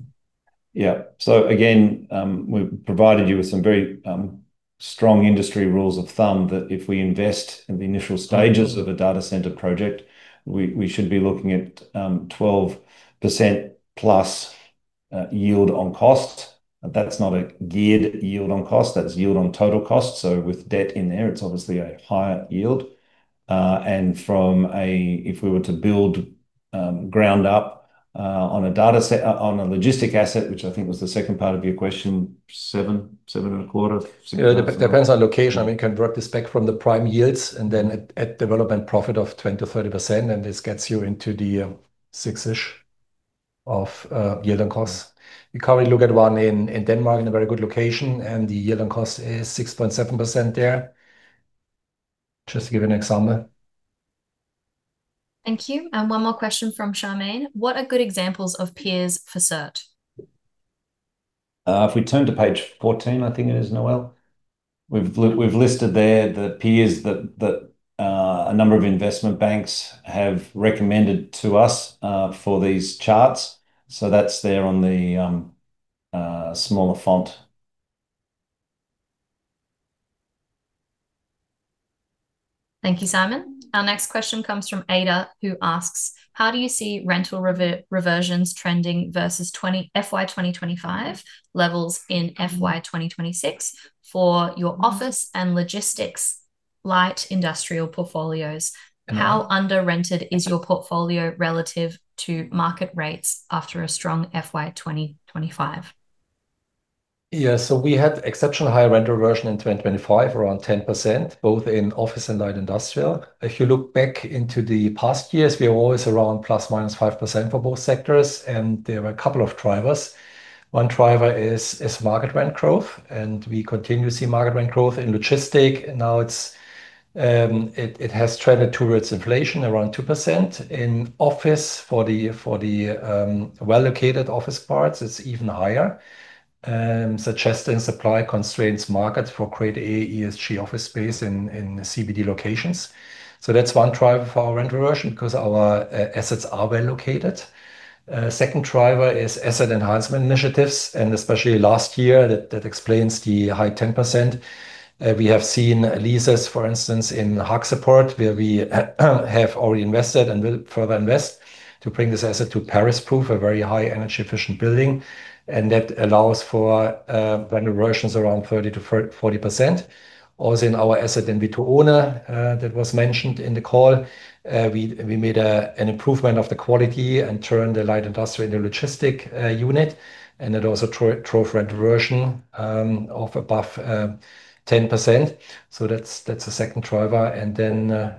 Yeah, again, we've provided you with some very strong industry rules of thumb that if we invest in the initial stages of a data center project, we should be looking at 12%+ yield on cost. That's not a geared yield on cost, that's yield on total cost, so with debt in there, it's obviously a higher yield. From a, if we were to build ground up on a logistics asset, which I think was the second part of your question, seven, 7.25%? Depends on location. I mean, can work this back from the prime yields, then at development profit of 20%-30%, this gets you into the 6-ish of yield on costs. We currently look at one in Denmark in a very good location. The yield on cost is 6.7% there, just to give you an example. Thank you. One more question from Charmaine: "What are good examples of peers for SERT? If we turn to page 14, I think it is, Noelle, we've listed there the peers that, a number of investment banks have recommended to us for these charts. That's there on the smaller font. Thank you, Simon. Our next question comes from Aida, who asks: "How do you see rental reversions trending versus FY 2025 levels in FY 2026 for your office and logistics light industrial portfolios? How under-rented is your portfolio relative to market rates after a strong FY 2025? We had exceptionally high rental reversion in 2025, around 10%, both in office and light industrial. If you look back into the past years, we are always around plus or minus 5% for both sectors, and there are a couple of drivers. One driver is market rent growth, and we continue to see market rent growth in logistics. Now it has trended towards inflation, around 2%. In office, for the well-located office parts, it's even higher, suggesting supply constraints market for Grade A ESG office space in the CBD locations. That's one driver for our rent reversion, 'cause our assets are well located. Second driver is asset enhancement initiatives, and especially last year, that explains the high 10%. We have seen leases, for instance, in Haagse Poort, where we have already invested and will further invest to bring this asset to Paris-proof, a very high energy efficient building, and that allows for rent reversions around 30%-40%. Also, in our asset in Vittuone, that was mentioned in the call, we made an improvement of the quality and turned the light industry into logistics unit, and it also drove rent reversion of above 10%. That's, that's the second driver. Then,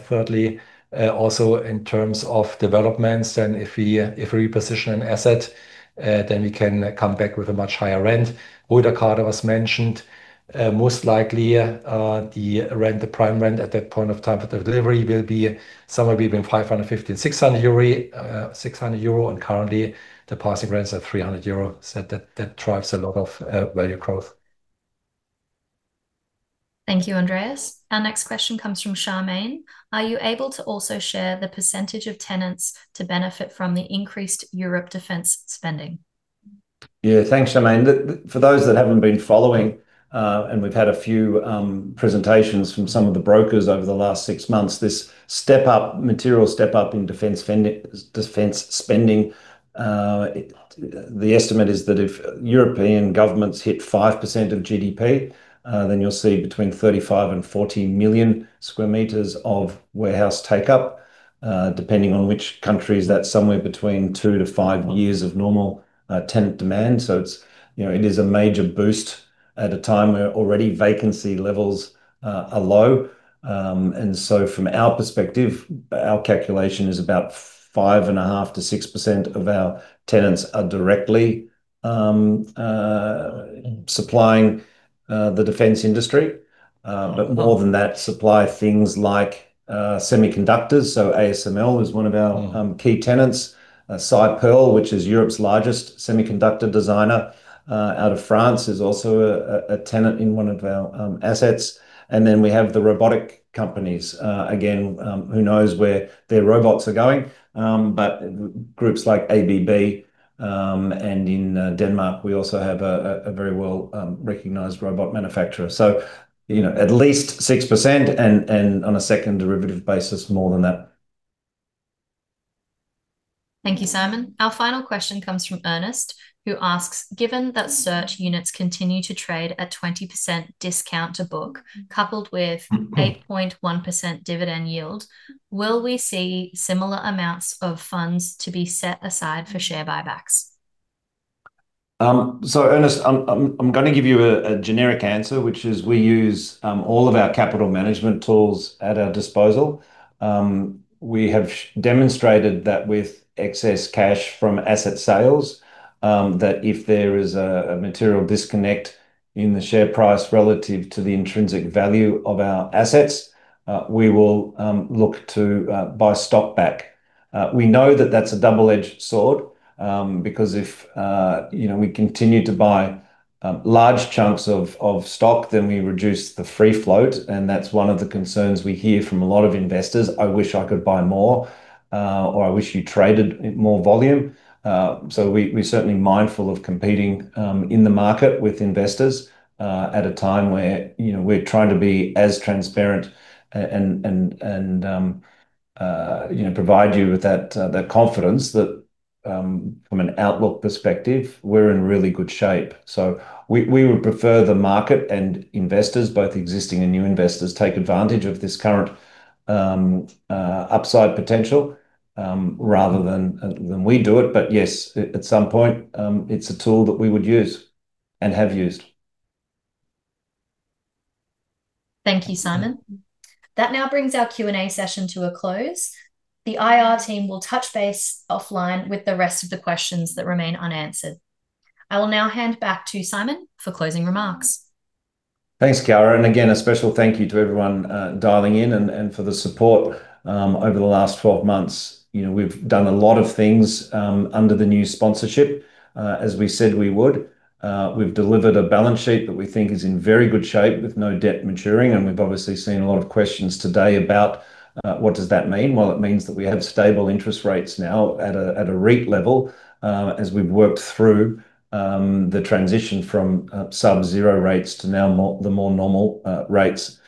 thirdly, also in terms of developments, if we reposition an asset, then we can come back with a much higher rent. Rudná was mentioned, most likely, the rent, the prime rent at that point of time for the delivery will be somewhere between 550 and 600 euro, and currently the passing rent is at 300 euro. That, that drives a lot of, value growth. Thank you, Andreas. Our next question comes from Charmaine: Are you able to also share the percentage of tenants to benefit from the increased Europe defense spending? Yeah, thanks, Charmaine. The, for those that haven't been following, we've had a few presentations from some of the brokers over the last six months, this step-up, material step-up in defense spending, it, the estimate is that if European governments hit 5% of GDP, you'll see between 35 million-40 million square meters of warehouse take-up. Depending on which countries, that's somewhere between 2-5 years of normal tenant demand. It's, you know, it is a major boost at a time where already vacancy levels are low. From our perspective, our calculation is about 5.5%-6% of our tenants are directly supplying the defense industry. More than that, supply things like semiconductors, ASML is one of our key tenants. SiPearl, which is Europe's largest semiconductor designer, out of France, is also a tenant in one of our assets. We have the robotic companies. Again, who knows where their robots are going? Groups like ABB, and in Denmark, we also have a very well recognized robot manufacturer. You know, at least 6%, and on a second derivative basis, more than that. Thank you, Simon. Our final question comes from Ernest, who asks: Given that SERT units continue to trade at 20% discount to book, coupled with 8.1% dividend yield, will we see similar amounts of funds to be set aside for share buybacks? Ernest, I'm gonna give you a generic answer, which is we use all of our capital management tools at our disposal. We have demonstrated that with excess cash from asset sales, that if there is a material disconnect in the share price relative to the intrinsic value of our assets, we will look to buy stock back. We know that that's a double-edged sword, because if, you know, we continue to buy large chunks of stock, then we reduce the free float, and that's one of the concerns we hear from a lot of investors, "I wish I could buy more," or, "I wish you traded at more volume." So we're certainly mindful of competing in the market with investors, at a time where, you know, we're trying to be as transparent and provide you with that confidence that from an outlook perspective, we're in really good shape. So we would prefer the market and investors, both existing and new investors, take advantage of this current upside potential, rather than than we do it. Yes, at some point, it's a tool that we would use and have used. Thank you, Simon. That now brings our Q&A session to a close. The IR team will touch base offline with the rest of the questions that remain unanswered. I will now hand back to Simon for closing remarks. Thanks, Tara, a special thank you to everyone dialing in and for the support. Over the last 12 months, you know, we've done a lot of things under the new sponsorship, as we said we would. We've delivered a balance sheet that we think is in very good shape with no debt maturing, we've obviously seen a lot of questions today about what does that mean? Well, it means that we have stable interest rates now at a REIT level, as we've worked through the transition from sub-zero rates to now the more normal rates.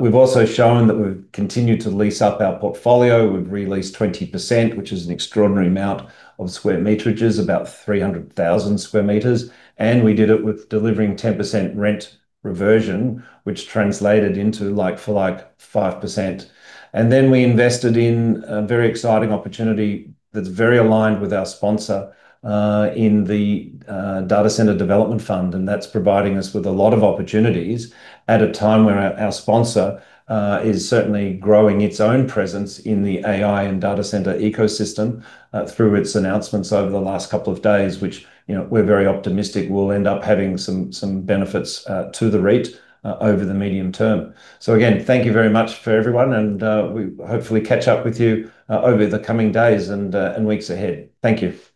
We've also shown that we've continued to lease up our portfolio. We've re-leased 20%, which is an extraordinary amount of square meterages, about 300,000 square meters, and we did it with delivering 10% rent reversion, which translated into like for like 5%. Then we invested in a very exciting opportunity that's very aligned with our sponsor, in the data center development fund, and that's providing us with a lot of opportunities at a time where our sponsor is certainly growing its own presence in the AI and data center ecosystem through its announcements over the last couple of days, which, you know, we're very optimistic will end up having some benefits to the REIT over the medium term. Again, thank you very much for everyone, and we hopefully catch up with you over the coming days and weeks ahead. Thank you. Thanks.